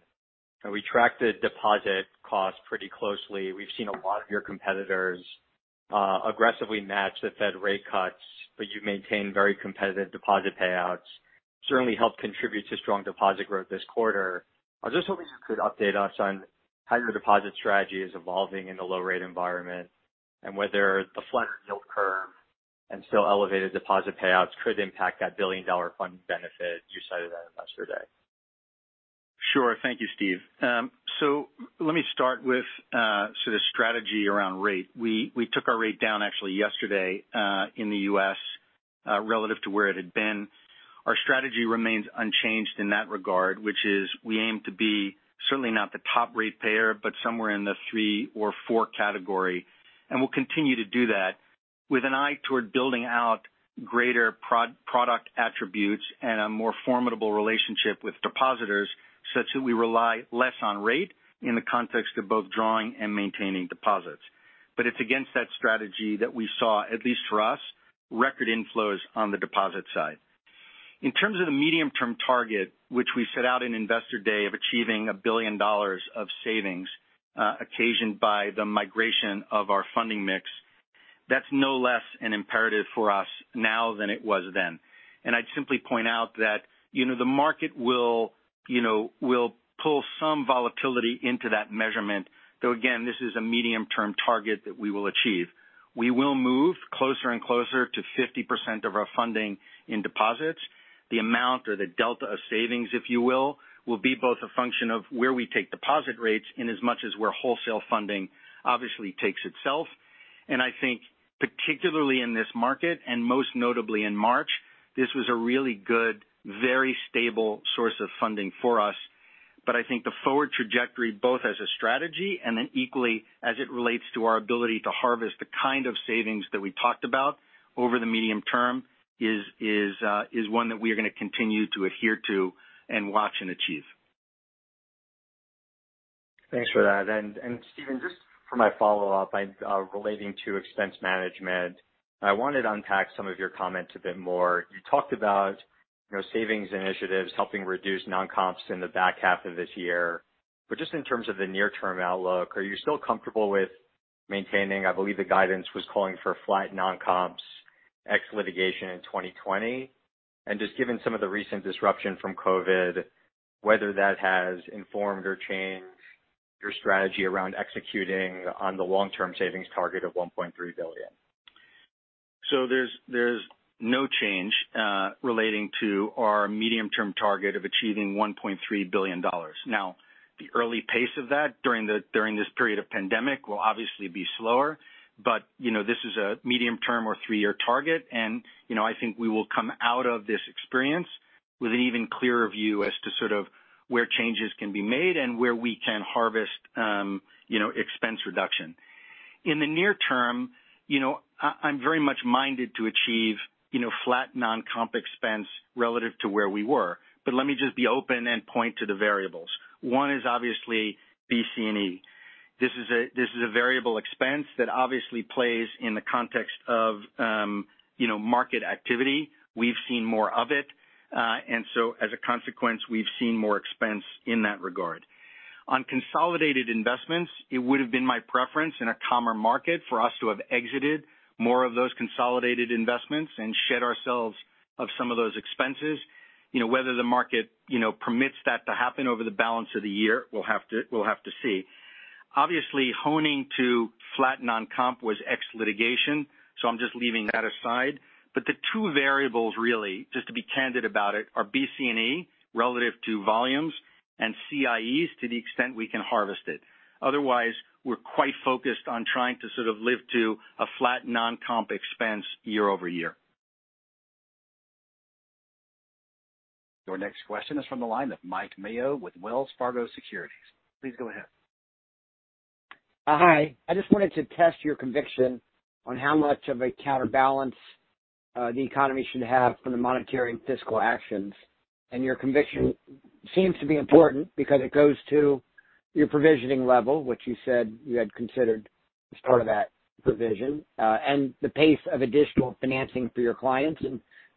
We tracked the deposit cost pretty closely. We've seen a lot of your competitors aggressively match the Fed rate cuts, but you've maintained very competitive deposit payouts. Certainly helped contribute to strong deposit growth this quarter. I was just hoping you could update us on how your deposit strategy is evolving in the low-rate environment and whether the flatter yield curve and still elevated deposit payouts could impact that billion-dollar funding benefit you cited at Investor Day.
Thank you, Steve. Let me start with sort of strategy around rate. We took our rate down actually yesterday in the U.S. relative to where it had been. Our strategy remains unchanged in that regard, which is we aim to be certainly not the top rate payer, but somewhere in the three or four category. We'll continue to do that with an eye toward building out greater product attributes and a more formidable relationship with depositors such that we rely less on rate in the context of both drawing and maintaining deposits. It's against that strategy that we saw, at least for us, record inflows on the deposit side. In terms of the medium-term target, which we set out in Investor Day of achieving $1 billion of savings occasioned by the migration of our funding mix, that's no less an imperative for us now than it was then. I'd simply point out that the market will pull some volatility into that measurement, though again, this is a medium-term target that we will achieve. We will move closer and closer to 50% of our funding in deposits. The amount or the delta of savings, if you will be both a function of where we take deposit rates inasmuch as where wholesale funding obviously takes itself. I think particularly in this market, and most notably in March, this was a really good, very stable source of funding for us. I think the forward trajectory, both as a strategy and then equally as it relates to our ability to harvest the kind of savings that we talked about over the medium term, is one that we are going to continue to adhere to and watch and achieve.
Thanks for that. Stephen, just for my follow-up relating to expense management, I want to unpack some of your comments a bit more. You talked about savings initiatives helping reduce non-comps in the back half of this year. Just in terms of the near-term outlook, are you still comfortable with maintaining, I believe the guidance was calling for flat non-comps ex-litigation in 2020? Just given some of the recent disruption from COVID-19, whether that has informed or changed your strategy around executing on the long-term savings target of $1.3 billion.
There's no change relating to our medium-term target of achieving $1.3 billion. The early pace of that during this period of pandemic will obviously be slower. This is a medium-term or three-year target. I think we will come out of this experience with an even clearer view as to sort of where changes can be made and where we can harvest expense reduction. In the near-term, I'm very much minded to achieve flat non-comp expense relative to where we were. Let me just be open and point to the variables. One is obviously BC&E. This is a variable expense that obviously plays in the context of market activity. We've seen more of it. As a consequence, we've seen more expense in that regard. On consolidated investments, it would have been my preference in a calmer market for us to have exited more of those consolidated investments and shed ourselves of some of those expenses. Whether the market permits that to happen over the balance of the year, we'll have to see. Obviously, honing to flat non-comp was ex litigation, I'm just leaving that aside. The two variables really, just to be candid about it, are BCE relative to volumes, and CIEs to the extent we can harvest it. Otherwise, we're quite focused on trying to sort of live to a flat non-comp expense year-over-year.
Your next question is from the line of Mike Mayo with Wells Fargo Securities. Please go ahead.
Hi. I just wanted to test your conviction on how much of a counterbalance the economy should have from the monetary and fiscal actions. Your conviction seems to be important because it goes to your provisioning level, which you said you had considered as part of that provision, and the pace of additional financing for your clients,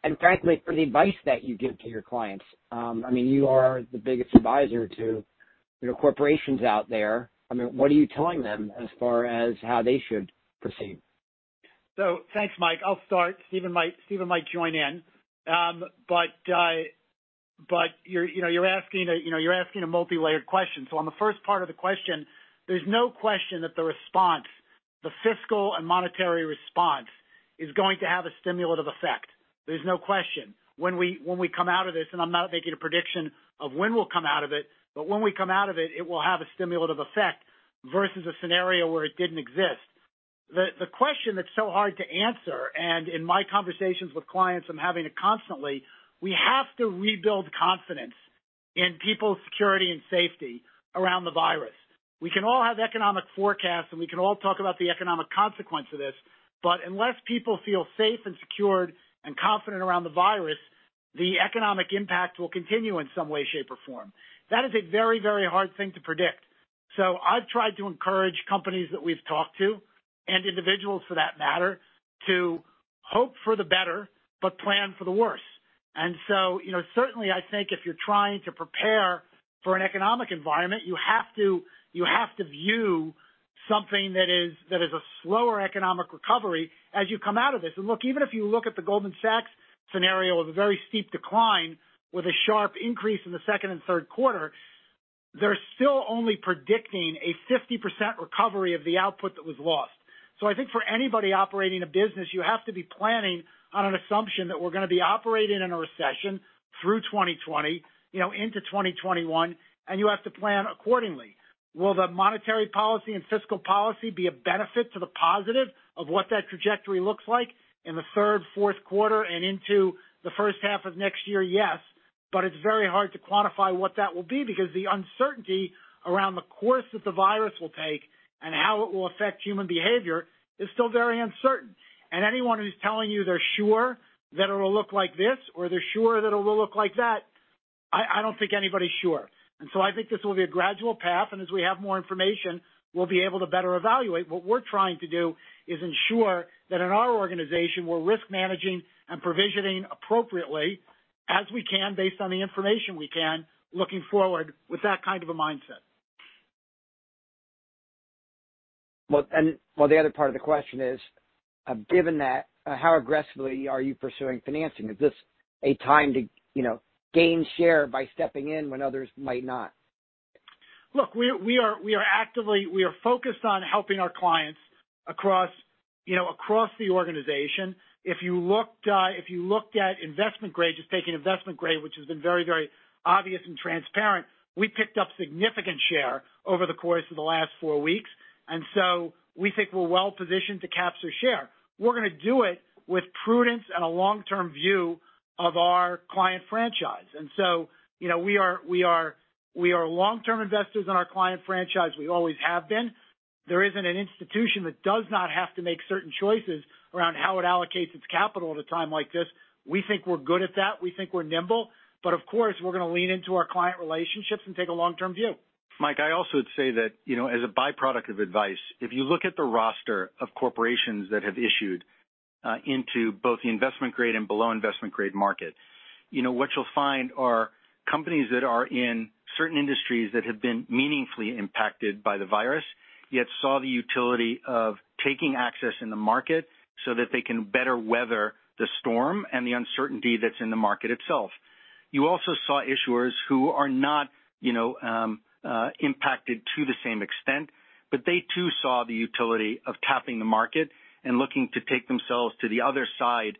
and frankly, for the advice that you give to your clients. You are the biggest advisor to corporations out there. What are you telling them as far as how they should proceed?
Thanks, Mike. I'll start. Stephen might join in. You're asking a multi-layered question. On the first part of the question, there's no question that the response, the fiscal and monetary response, is going to have a stimulative effect. There's no question. When we come out of this, and I'm not making a prediction of when we'll come out of it, but when we come out of it will have a stimulative effect versus a scenario where it didn't exist. The question that's so hard to answer, and in my conversations with clients, I'm having it constantly, we have to rebuild confidence in people's security and safety around the virus. We can all have economic forecasts, and we can all talk about the economic consequence of this, but unless people feel safe and secured and confident around the virus, the economic impact will continue in some way, shape, or form. That is a very, very hard thing to predict. I've tried to encourage companies that we've talked to, and individuals for that matter, to hope for the better but plan for the worse. Certainly I think if you're trying to prepare for an economic environment, you have to view something that is a slower economic recovery as you come out of this. Look, even if you look at the Goldman Sachs scenario of a very steep decline with a sharp increase in the second and third quarter, they're still only predicting a 50% recovery of the output that was lost. I think for anybody operating a business, you have to be planning on an assumption that we're going to be operating in a recession through 2020 into 2021, and you have to plan accordingly. Will the monetary policy and fiscal policy be a benefit to the positive of what that trajectory looks like in the third, fourth quarter and into the first half of next year? Yes. It's very hard to quantify what that will be because the uncertainty around the course that the virus will take and how it will affect human behavior is still very uncertain. Anyone who's telling you they're sure that it'll look like this or they're sure that it will look like that, I don't think anybody's sure. I think this will be a gradual path, and as we have more information, we'll be able to better evaluate. What we're trying to do is ensure that in our organization, we're risk managing and provisioning appropriately as we can based on the information we can looking forward with that kind of a mindset.
Well, the other part of the question is, given that, how aggressively are you pursuing financing? Is this a time to gain share by stepping in when others might not?
Look, we are focused on helping our clients across the organization. If you looked at investment grade, just taking investment grade, which has been very obvious and transparent, we picked up significant share over the course of the last four weeks. We think we're well-positioned to capture share. We're going to do it with prudence and a long-term view of our client franchise. We are long-term investors in our client franchise. We always have been. There isn't an institution that does not have to make certain choices around how it allocates its capital at a time like this. We think we're good at that. We think we're nimble. Of course, we're going to lean into our client relationships and take a long-term view.
Mike, I also would say that, as a byproduct of advice, if you look at the roster of corporations that have issued into both the investment grade and below investment grade market, what you'll find are companies that are in certain industries that have been meaningfully impacted by the virus, yet saw the utility of taking access in the market so that they can better weather the storm and the uncertainty that's in the market itself. You also saw issuers who are not impacted to the same extent, but they too saw the utility of tapping the market and looking to take themselves to the other side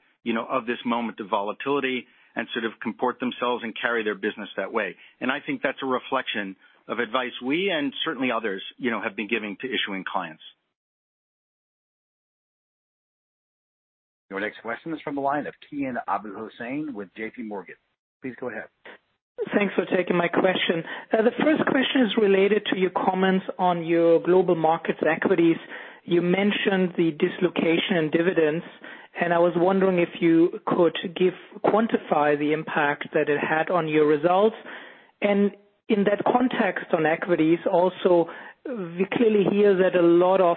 of this moment of volatility and sort of comport themselves and carry their business that way. I think that's a reflection of advice we, and certainly others have been giving to issuing clients.
Your next question is from the line of Kian Abouhossein with JP Morgan. Please go ahead.
Thanks for taking my question. The first question is related to your comments on your Global Markets Equities. You mentioned the dislocation in dividends, and I was wondering if you could quantify the impact that it had on your results. In that context on equities also, we clearly hear that a lot of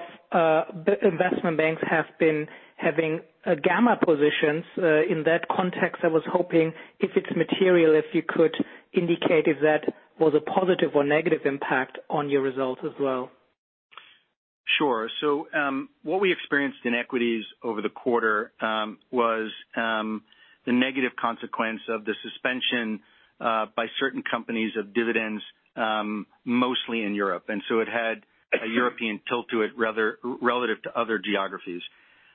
investment banks have been having gamma positions. In that context, I was hoping if it's material, if you could indicate if that was a positive or negative impact on your results as well.
Sure. What we experienced in equities over the quarter, was the negative consequence of the suspension by certain companies of dividends, mostly in Europe. It had a European tilt to it relative to other geographies.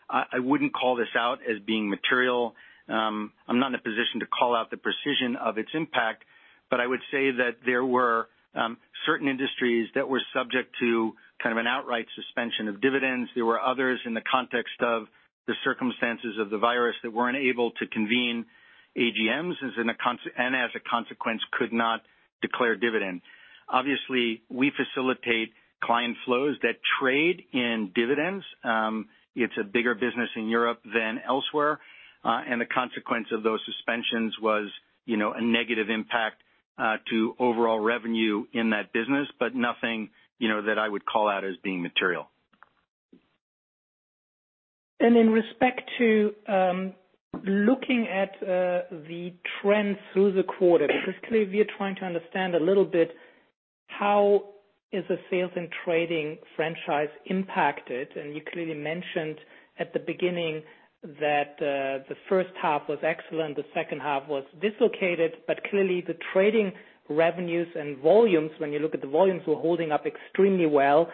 I wouldn't call this out as being material. I'm not in a position to call out the precision of its impact, but I would say that there were certain industries that were subject to kind of an outright suspension of dividends. There were others in the context of the circumstances of the virus that weren't able to convene AGMs, and as a consequence could not declare dividend. Obviously, we facilitate client flows that trade in dividends. It's a bigger business in Europe than elsewhere. The consequence of those suspensions was a negative impact to overall revenue in that business, but nothing that I would call out as being material.
In respect to looking at the trends through the quarter, because clearly we are trying to understand a little bit how is the sales and trading franchise impacted, and you clearly mentioned at the beginning that the first half was excellent, the second half was dislocated, but clearly the trading revenues and volumes, when you look at the volumes, were holding up extremely well.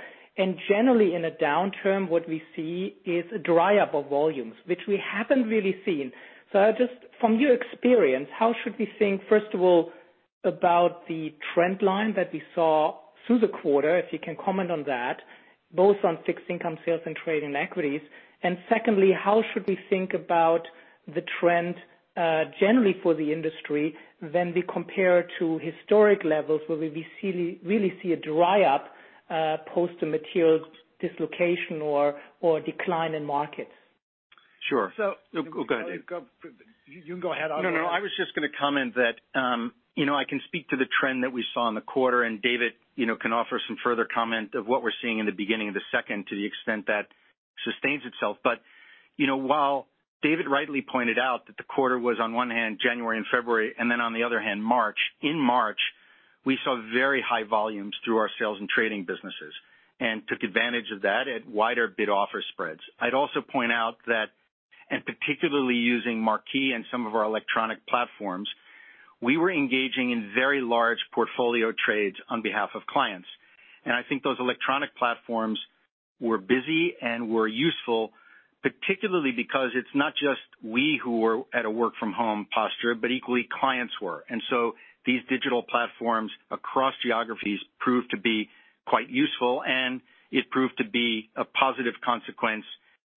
Generally in a downturn, what we see is a dry up of volumes, which we haven't really seen. Just from your experience, how should we think, first of all, about the trend line that we saw through the quarter, if you can comment on that, both on fixed income sales and trading equities? Secondly, how should we think about the trend generally for the industry when we compare to historic levels where we really see a dry up post a material dislocation or decline in markets?
Sure. Oh, go ahead.
You can go ahead.
No, I was just going to comment that I can speak to the trend that we saw in the quarter, and David can offer some further comment of what we're seeing in the beginning of the second to the extent that sustains itself. While David rightly pointed out that the quarter was on one hand January and February, and then on the other hand, March. In March, we saw very high volumes through our sales and trading businesses and took advantage of that at wider bid offer spreads. I'd also point out that, and particularly using Marquee and some of our electronic platforms, we were engaging in very large portfolio trades on behalf of clients. I think those electronic platforms were busy and were useful, particularly because it's not just we who were at a work from home posture, but equally clients were. These digital platforms across geographies proved to be quite useful, and it proved to be a positive consequence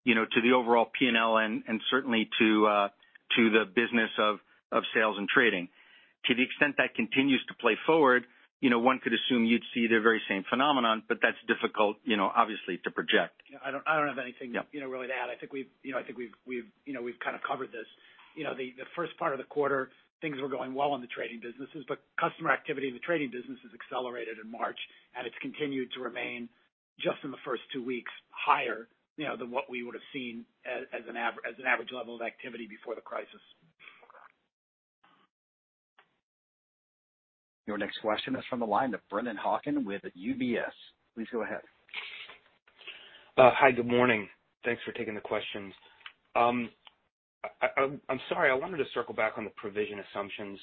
to the overall P&L and certainly to the business of sales and trading. To the extent that continues to play forward, one could assume you'd see the very same phenomenon, but that's difficult obviously to project.
I don't have anything really to add. I think we've kind of covered this. The first part of the quarter, things were going well in the trading businesses, customer activity in the trading businesses accelerated in March, and it's continued to remain just in the first two weeks, higher than what we would have seen as an average level of activity before the crisis.
Your next question is from the line of Brennan Hawken with UBS. Please go ahead.
Hi. Good morning. Thanks for taking the questions. I'm sorry, I wanted to circle back on the provision assumptions.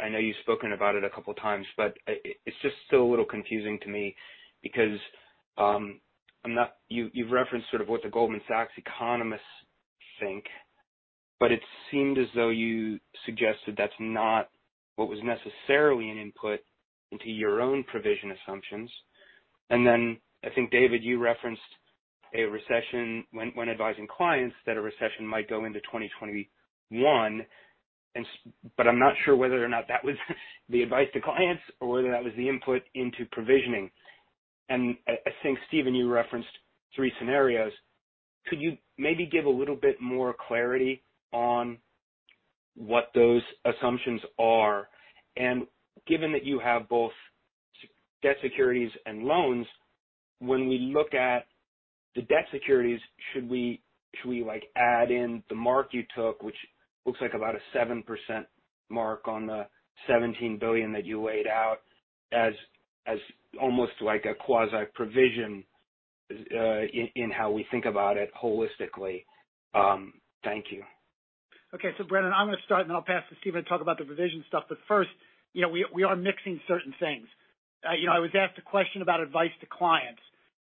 I know you've spoken about it a couple of times, but it's just still a little confusing to me because you've referenced sort of what the Goldman Sachs economists think, but it seemed as though you suggested that's not what was necessarily an input into your own provision assumptions. I think, David, you referenced a recession when advising clients that a recession might go into 2021. I'm not sure whether or not that was the advice to clients or whether that was the input into provisioning. I think, Stephen, you referenced three scenarios. Could you maybe give a little bit more clarity on what those assumptions are? Given that you have both debt securities and loans, when we look at the debt securities, should we add in the mark you took, which looks like about a 7% mark on the $17 billion that you laid out as almost like a quasi-provision in how we think about it holistically? Thank you.
Okay. Brennan, I'm going to start, and then I'll pass to Stephen to talk about the provision stuff. First, we are mixing certain things. I was asked a question about advice to clients,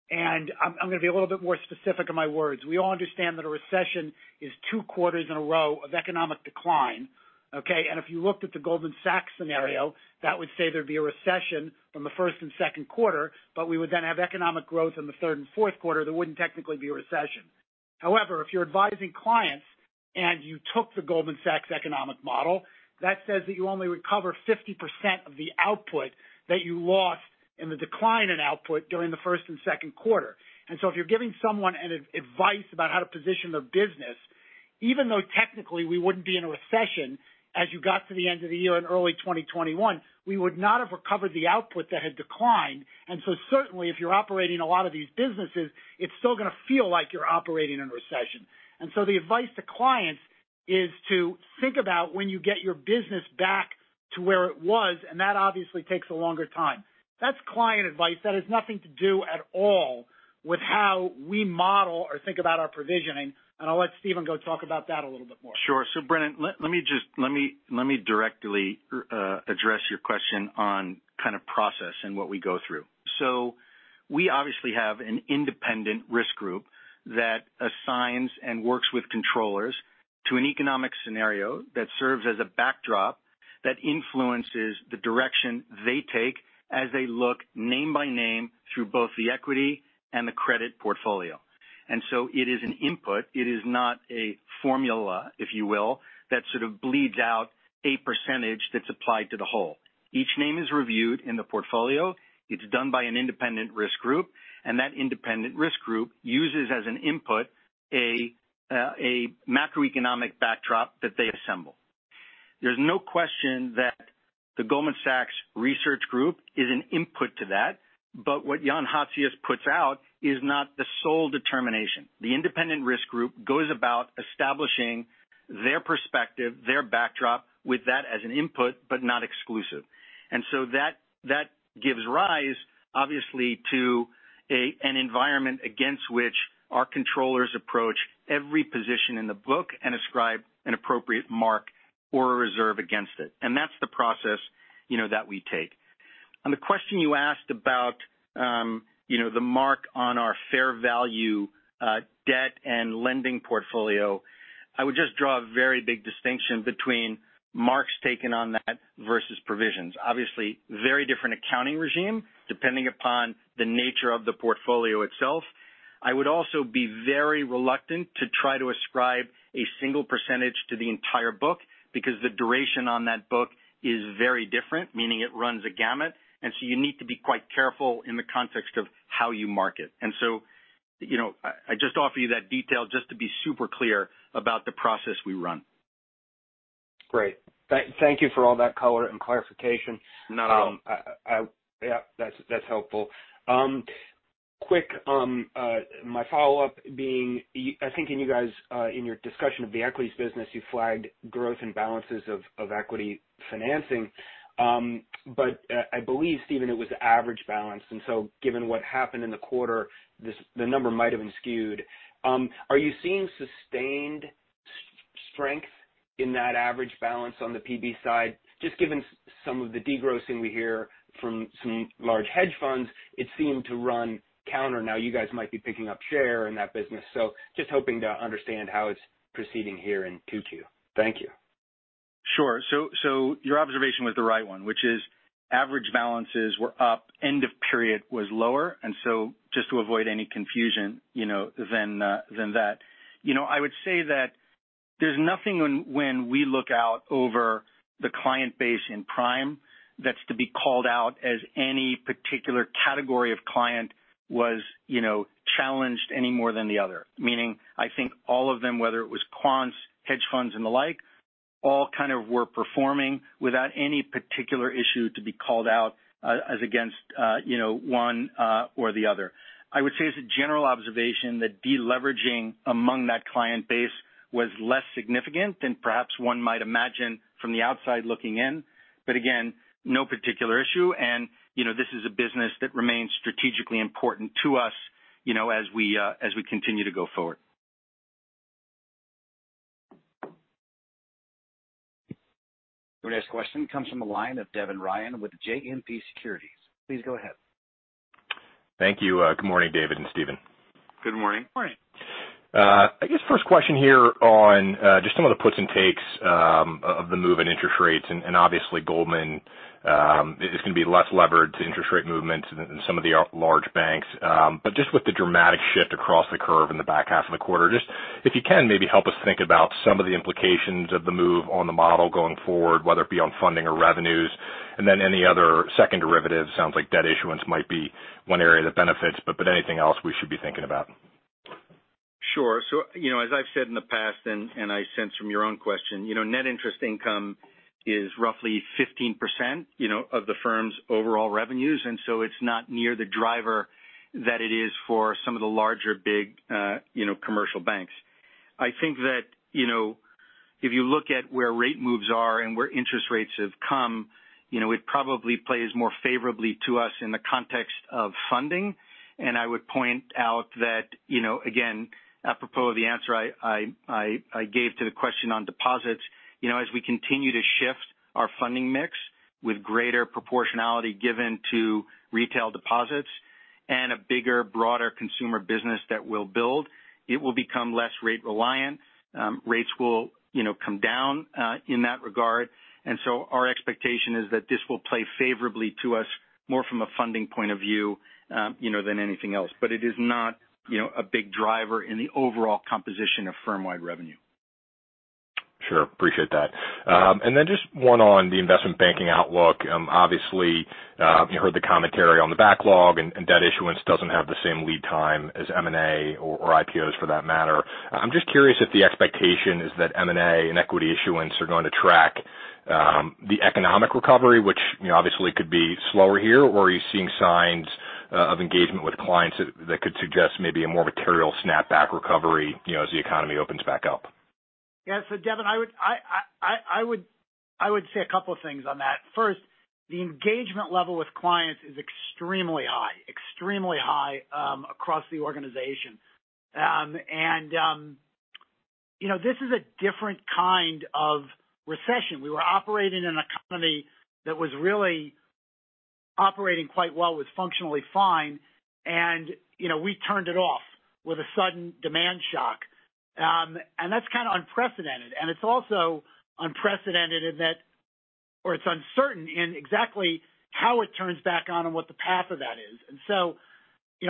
and I'm going to be a little bit more specific in my words. We all understand that a recession is two quarters in a row of economic decline. Okay. If you looked at the Goldman Sachs scenario, that would say there'd be a recession from the first and second quarter, but we would then have economic growth in the third and fourth quarter. That wouldn't technically be a recession. If you're advising clients and you took the Goldman Sachs economic model, that says that you only recover 50% of the output that you lost in the decline in output during the first and second quarter. If you're giving someone an advice about how to position their business, even though technically we wouldn't be in a recession, as you got to the end of the year in early 2021, we would not have recovered the output that had declined. Certainly, if you're operating a lot of these businesses, it's still going to feel like you're operating in a recession. The advice to clients is to think about when you get your business back to where it was, and that obviously takes a longer time. That's client advice. That has nothing to do at all with how we model or think about our provisioning. I'll let Stephen go talk about that a little bit more.
Sure. Brennan, let me directly address your question on kind of process and what we go through. We obviously have an independent risk group that assigns and works with controllers to an economic scenario that serves as a backdrop that influences the direction they take as they look name by name through both the equity and the credit portfolio. It is an input. It is not a formula, if you will, that sort of bleeds out a percentage that is applied to the whole. Each name is reviewed in the portfolio. It is done by an independent risk group, and that independent risk group uses as an input a macroeconomic backdrop that they assemble. There is no question that the Goldman Sachs Research group is an input to that, but what Jan Hatzius puts out is not the sole determination. The independent risk group goes about establishing their perspective, their backdrop with that as an input, but not exclusive. That gives rise, obviously, to an environment against which our controllers approach every position in the book and ascribe an appropriate mark or a reserve against it. That's the process that we take. On the question you asked about the mark on our fair value debt and lending portfolio, I would just draw a very big distinction between marks taken on that versus provisions. Obviously, very different accounting regime, depending upon the nature of the portfolio itself. I would also be very reluctant to try to ascribe a single percentage to the entire book because the duration on that book is very different, meaning it runs a gamut. You need to be quite careful in the context of how you mark it. I just offer you that detail just to be super clear about the process we run.
Great. Thank you for all that color and clarification.
Not at all.
Yeah. That's helpful. Quick, my follow-up being, I think in your discussion of the equities business, you flagged growth and balances of equity financing. I believe, Stephen, it was average balance. Given what happened in the quarter, the number might have been skewed. Are you seeing sustained strength in that average balance on the PB side? Just given some of the degrossing we hear from some large hedge funds, it seemed to run counter. Now you guys might be picking up share in that business. Just hoping to understand how it's proceeding here in 2Q. Thank you.
Sure. Your observation was the right one, which is average balances were up, end of period was lower. Just to avoid any confusion than that. I would say that there's nothing when we look out over the client base in Prime that's to be called out as any particular category of client was challenged any more than the other. Meaning, I think all of them, whether it was quants, hedge funds, and the like, all kind of were performing without any particular issue to be called out as against one or the other. I would say as a general observation that de-leveraging among that client base was less significant than perhaps one might imagine from the outside looking in. Again, no particular issue. This is a business that remains strategically important to us as we continue to go forward.
Your next question comes from the line of Devin Ryan with JMP Securities. Please go ahead.
Thank you. Good morning, David and Stephen.
Good morning.
Morning.
I guess first question here on just some of the puts and takes of the move in interest rates. Obviously Goldman is going to be less levered to interest rate movements than some of the large banks. Just with the dramatic shift across the curve in the back half of the quarter, just if you can maybe help us think about some of the implications of the move on the model going forward, whether it be on funding or revenues. Any other second derivative, sounds like debt issuance might be one area that benefits, but anything else we should be thinking about?
Sure. As I've said in the past, and I sense from your own question, net interest income is roughly 15% of the firm's overall revenues, and so it's not near the driver that it is for some of the larger, big commercial banks. I think that if you look at where rate moves are and where interest rates have come, it probably plays more favorably to us in the context of funding. I would point out that, again, apropos of the answer I gave to the question on deposits. As we continue to shift our funding mix with greater proportionality given to retail deposits and a bigger, broader consumer business that we'll build, it will become less rate reliant. Rates will come down in that regard. Our expectation is that this will play favorably to us more from a funding point of view than anything else. It is not a big driver in the overall composition of firm-wide revenue.
Sure. Appreciate that.
Yeah.
Just one on the investment banking outlook. Obviously, heard the commentary on the backlog and debt issuance doesn't have the same lead time as M&A or IPOs for that matter. I'm just curious if the expectation is that M&A and equity issuance are going to track the economic recovery, which obviously could be slower here. Are you seeing signs of engagement with clients that could suggest maybe a more material snapback recovery as the economy opens back up?
Yeah. Devin, I would say a couple of things on that. First, the engagement level with clients is extremely high. Extremely high across the organization. This is a different kind of recession. We were operating in a company that was really operating quite well, was functionally fine, and we turned it off with a sudden demand shock. That's kind of unprecedented. It's also unprecedented in that, or it's uncertain in exactly how it turns back on and what the path of that is.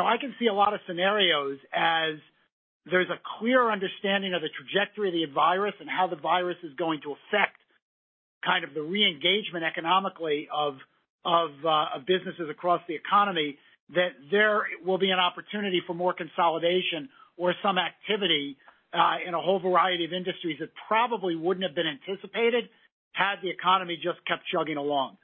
I can see a lot of scenarios as there's a clear understanding of the trajectory of the virus and how the virus is going to affect kind of the re-engagement economically of businesses across the economy, that there will be an opportunity for more consolidation or some activity in a whole variety of industries that probably wouldn't have been anticipated had the economy just kept chugging along.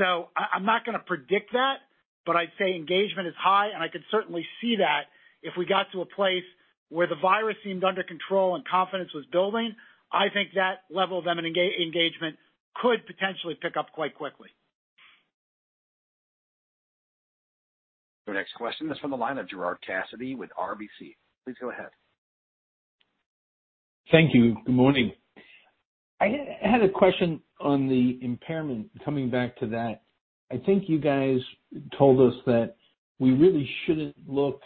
I'm not going to predict that, but I'd say engagement is high, and I could certainly see that if we got to a place where the virus seemed under control and confidence was building. I think that level of engagement could potentially pick up quite quickly.
Your next question is from the line of Gerard Cassidy with RBC. Please go ahead.
Thank you. Good morning. I had a question on the impairment, coming back to that. I think you guys told us that we really shouldn't look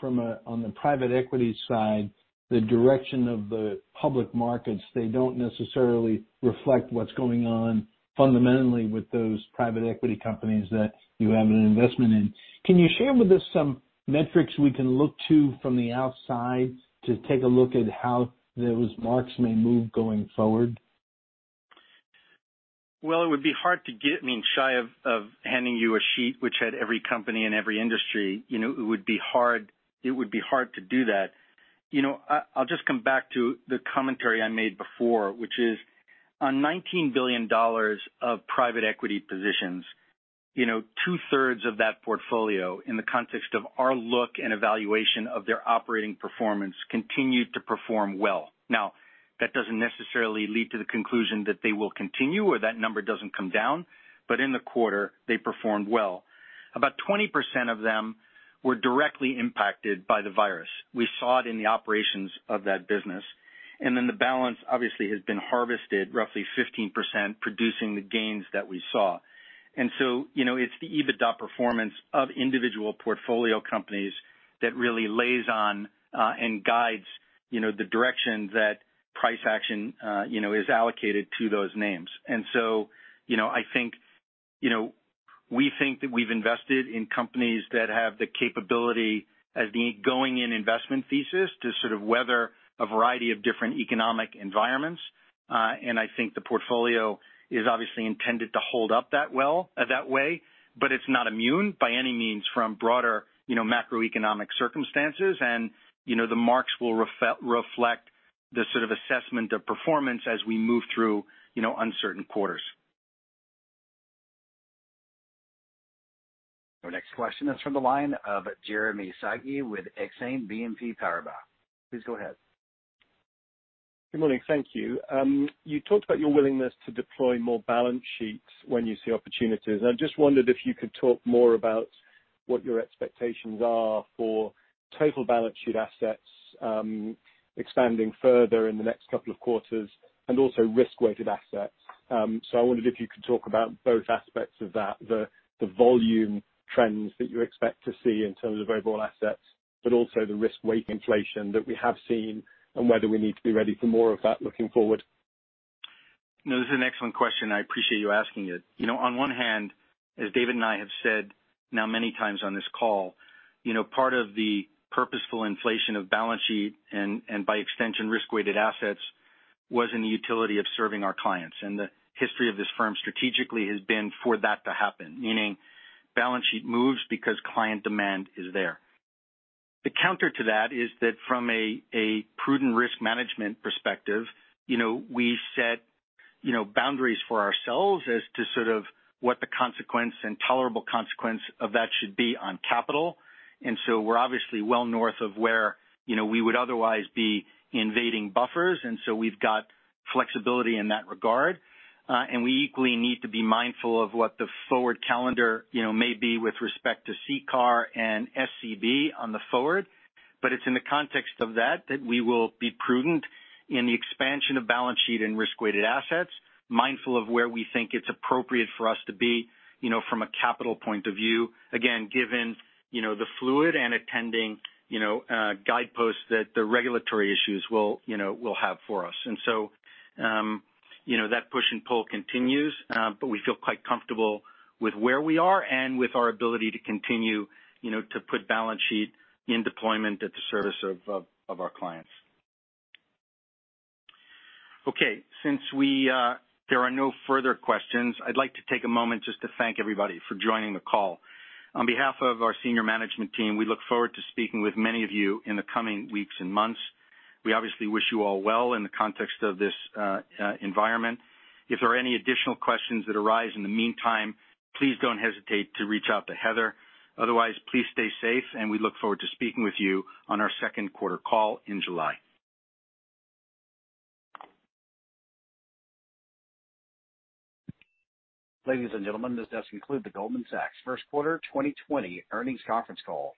from a, on the private equity side, the direction of the public markets. They don't necessarily reflect what's going on fundamentally with those private equity companies that you have an investment in. Can you share with us some metrics we can look to from the outside to take a look at how those marks may move going forward?
Well, it would be hard to get, I mean, shy of handing you a sheet which had every company and every industry. It would be hard to do that. I'll just come back to the commentary I made before, which is on $19 billion of private equity positions, two-thirds of that portfolio in the context of our look and evaluation of their operating performance continued to perform well. That doesn't necessarily lead to the conclusion that they will continue, or that number doesn't come down. In the quarter, they performed well. About 20% of them were directly impacted by the virus. We saw it in the operations of that business. The balance obviously has been harvested roughly 15%, producing the gains that we saw. It's the EBITDA performance of individual portfolio companies that really lays on and guides the direction that price action is allocated to those names. We think that we've invested in companies that have the capability as the going-in investment thesis to sort of weather a variety of different economic environments. I think the portfolio is obviously intended to hold up that way. It's not immune by any means from broader macroeconomic circumstances. The marks will reflect the sort of assessment of performance as we move through uncertain quarters.
Our next question is from the line of Jeremy Sigee with Exane BNP Paribas. Please go ahead.
Good morning. Thank you. You talked about your willingness to deploy more balance sheets when you see opportunities, and I just wondered if you could talk more about what your expectations are for total balance sheet assets expanding further in the next couple of quarters, and also risk-weighted assets. I wondered if you could talk about both aspects of that, the volume trends that you expect to see in terms of variable assets, but also the risk weight inflation that we have seen and whether we need to be ready for more of that looking forward.
No, this is an excellent question. I appreciate you asking it. On one hand, as David and I have said now many times on this call, part of the purposeful inflation of balance sheet, and by extension risk-weighted assets, was in the utility of serving our clients. The history of this firm strategically has been for that to happen, meaning balance sheet moves because client demand is there. The counter to that is that from a prudent risk management perspective, we set boundaries for ourselves as to sort of what the consequence and tolerable consequence of that should be on capital. We're obviously well north of where we would otherwise be invading buffers, and so we've got flexibility in that regard. We equally need to be mindful of what the forward calendar may be with respect to CCAR and SCB on the forward. It's in the context of that we will be prudent in the expansion of balance sheet and risk-weighted assets, mindful of where we think it's appropriate for us to be from a capital point of view, again, given the fluid and attending guideposts that the regulatory issues will have for us. That push and pull continues, but we feel quite comfortable with where we are and with our ability to continue to put balance sheet in deployment at the service of our clients. Okay. Since there are no further questions, I'd like to take a moment just to thank everybody for joining the call. On behalf of our senior management team, we look forward to speaking with many of you in the coming weeks and months. We obviously wish you all well in the context of this environment. If there are any additional questions that arise in the meantime, please don't hesitate to reach out to Heather. Otherwise, please stay safe, and we look forward to speaking with you on our second quarter call in July.
Ladies and gentlemen, this does conclude the Goldman Sachs first quarter 2020 earnings conference call.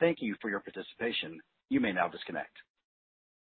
Thank you for your participation. You may now disconnect.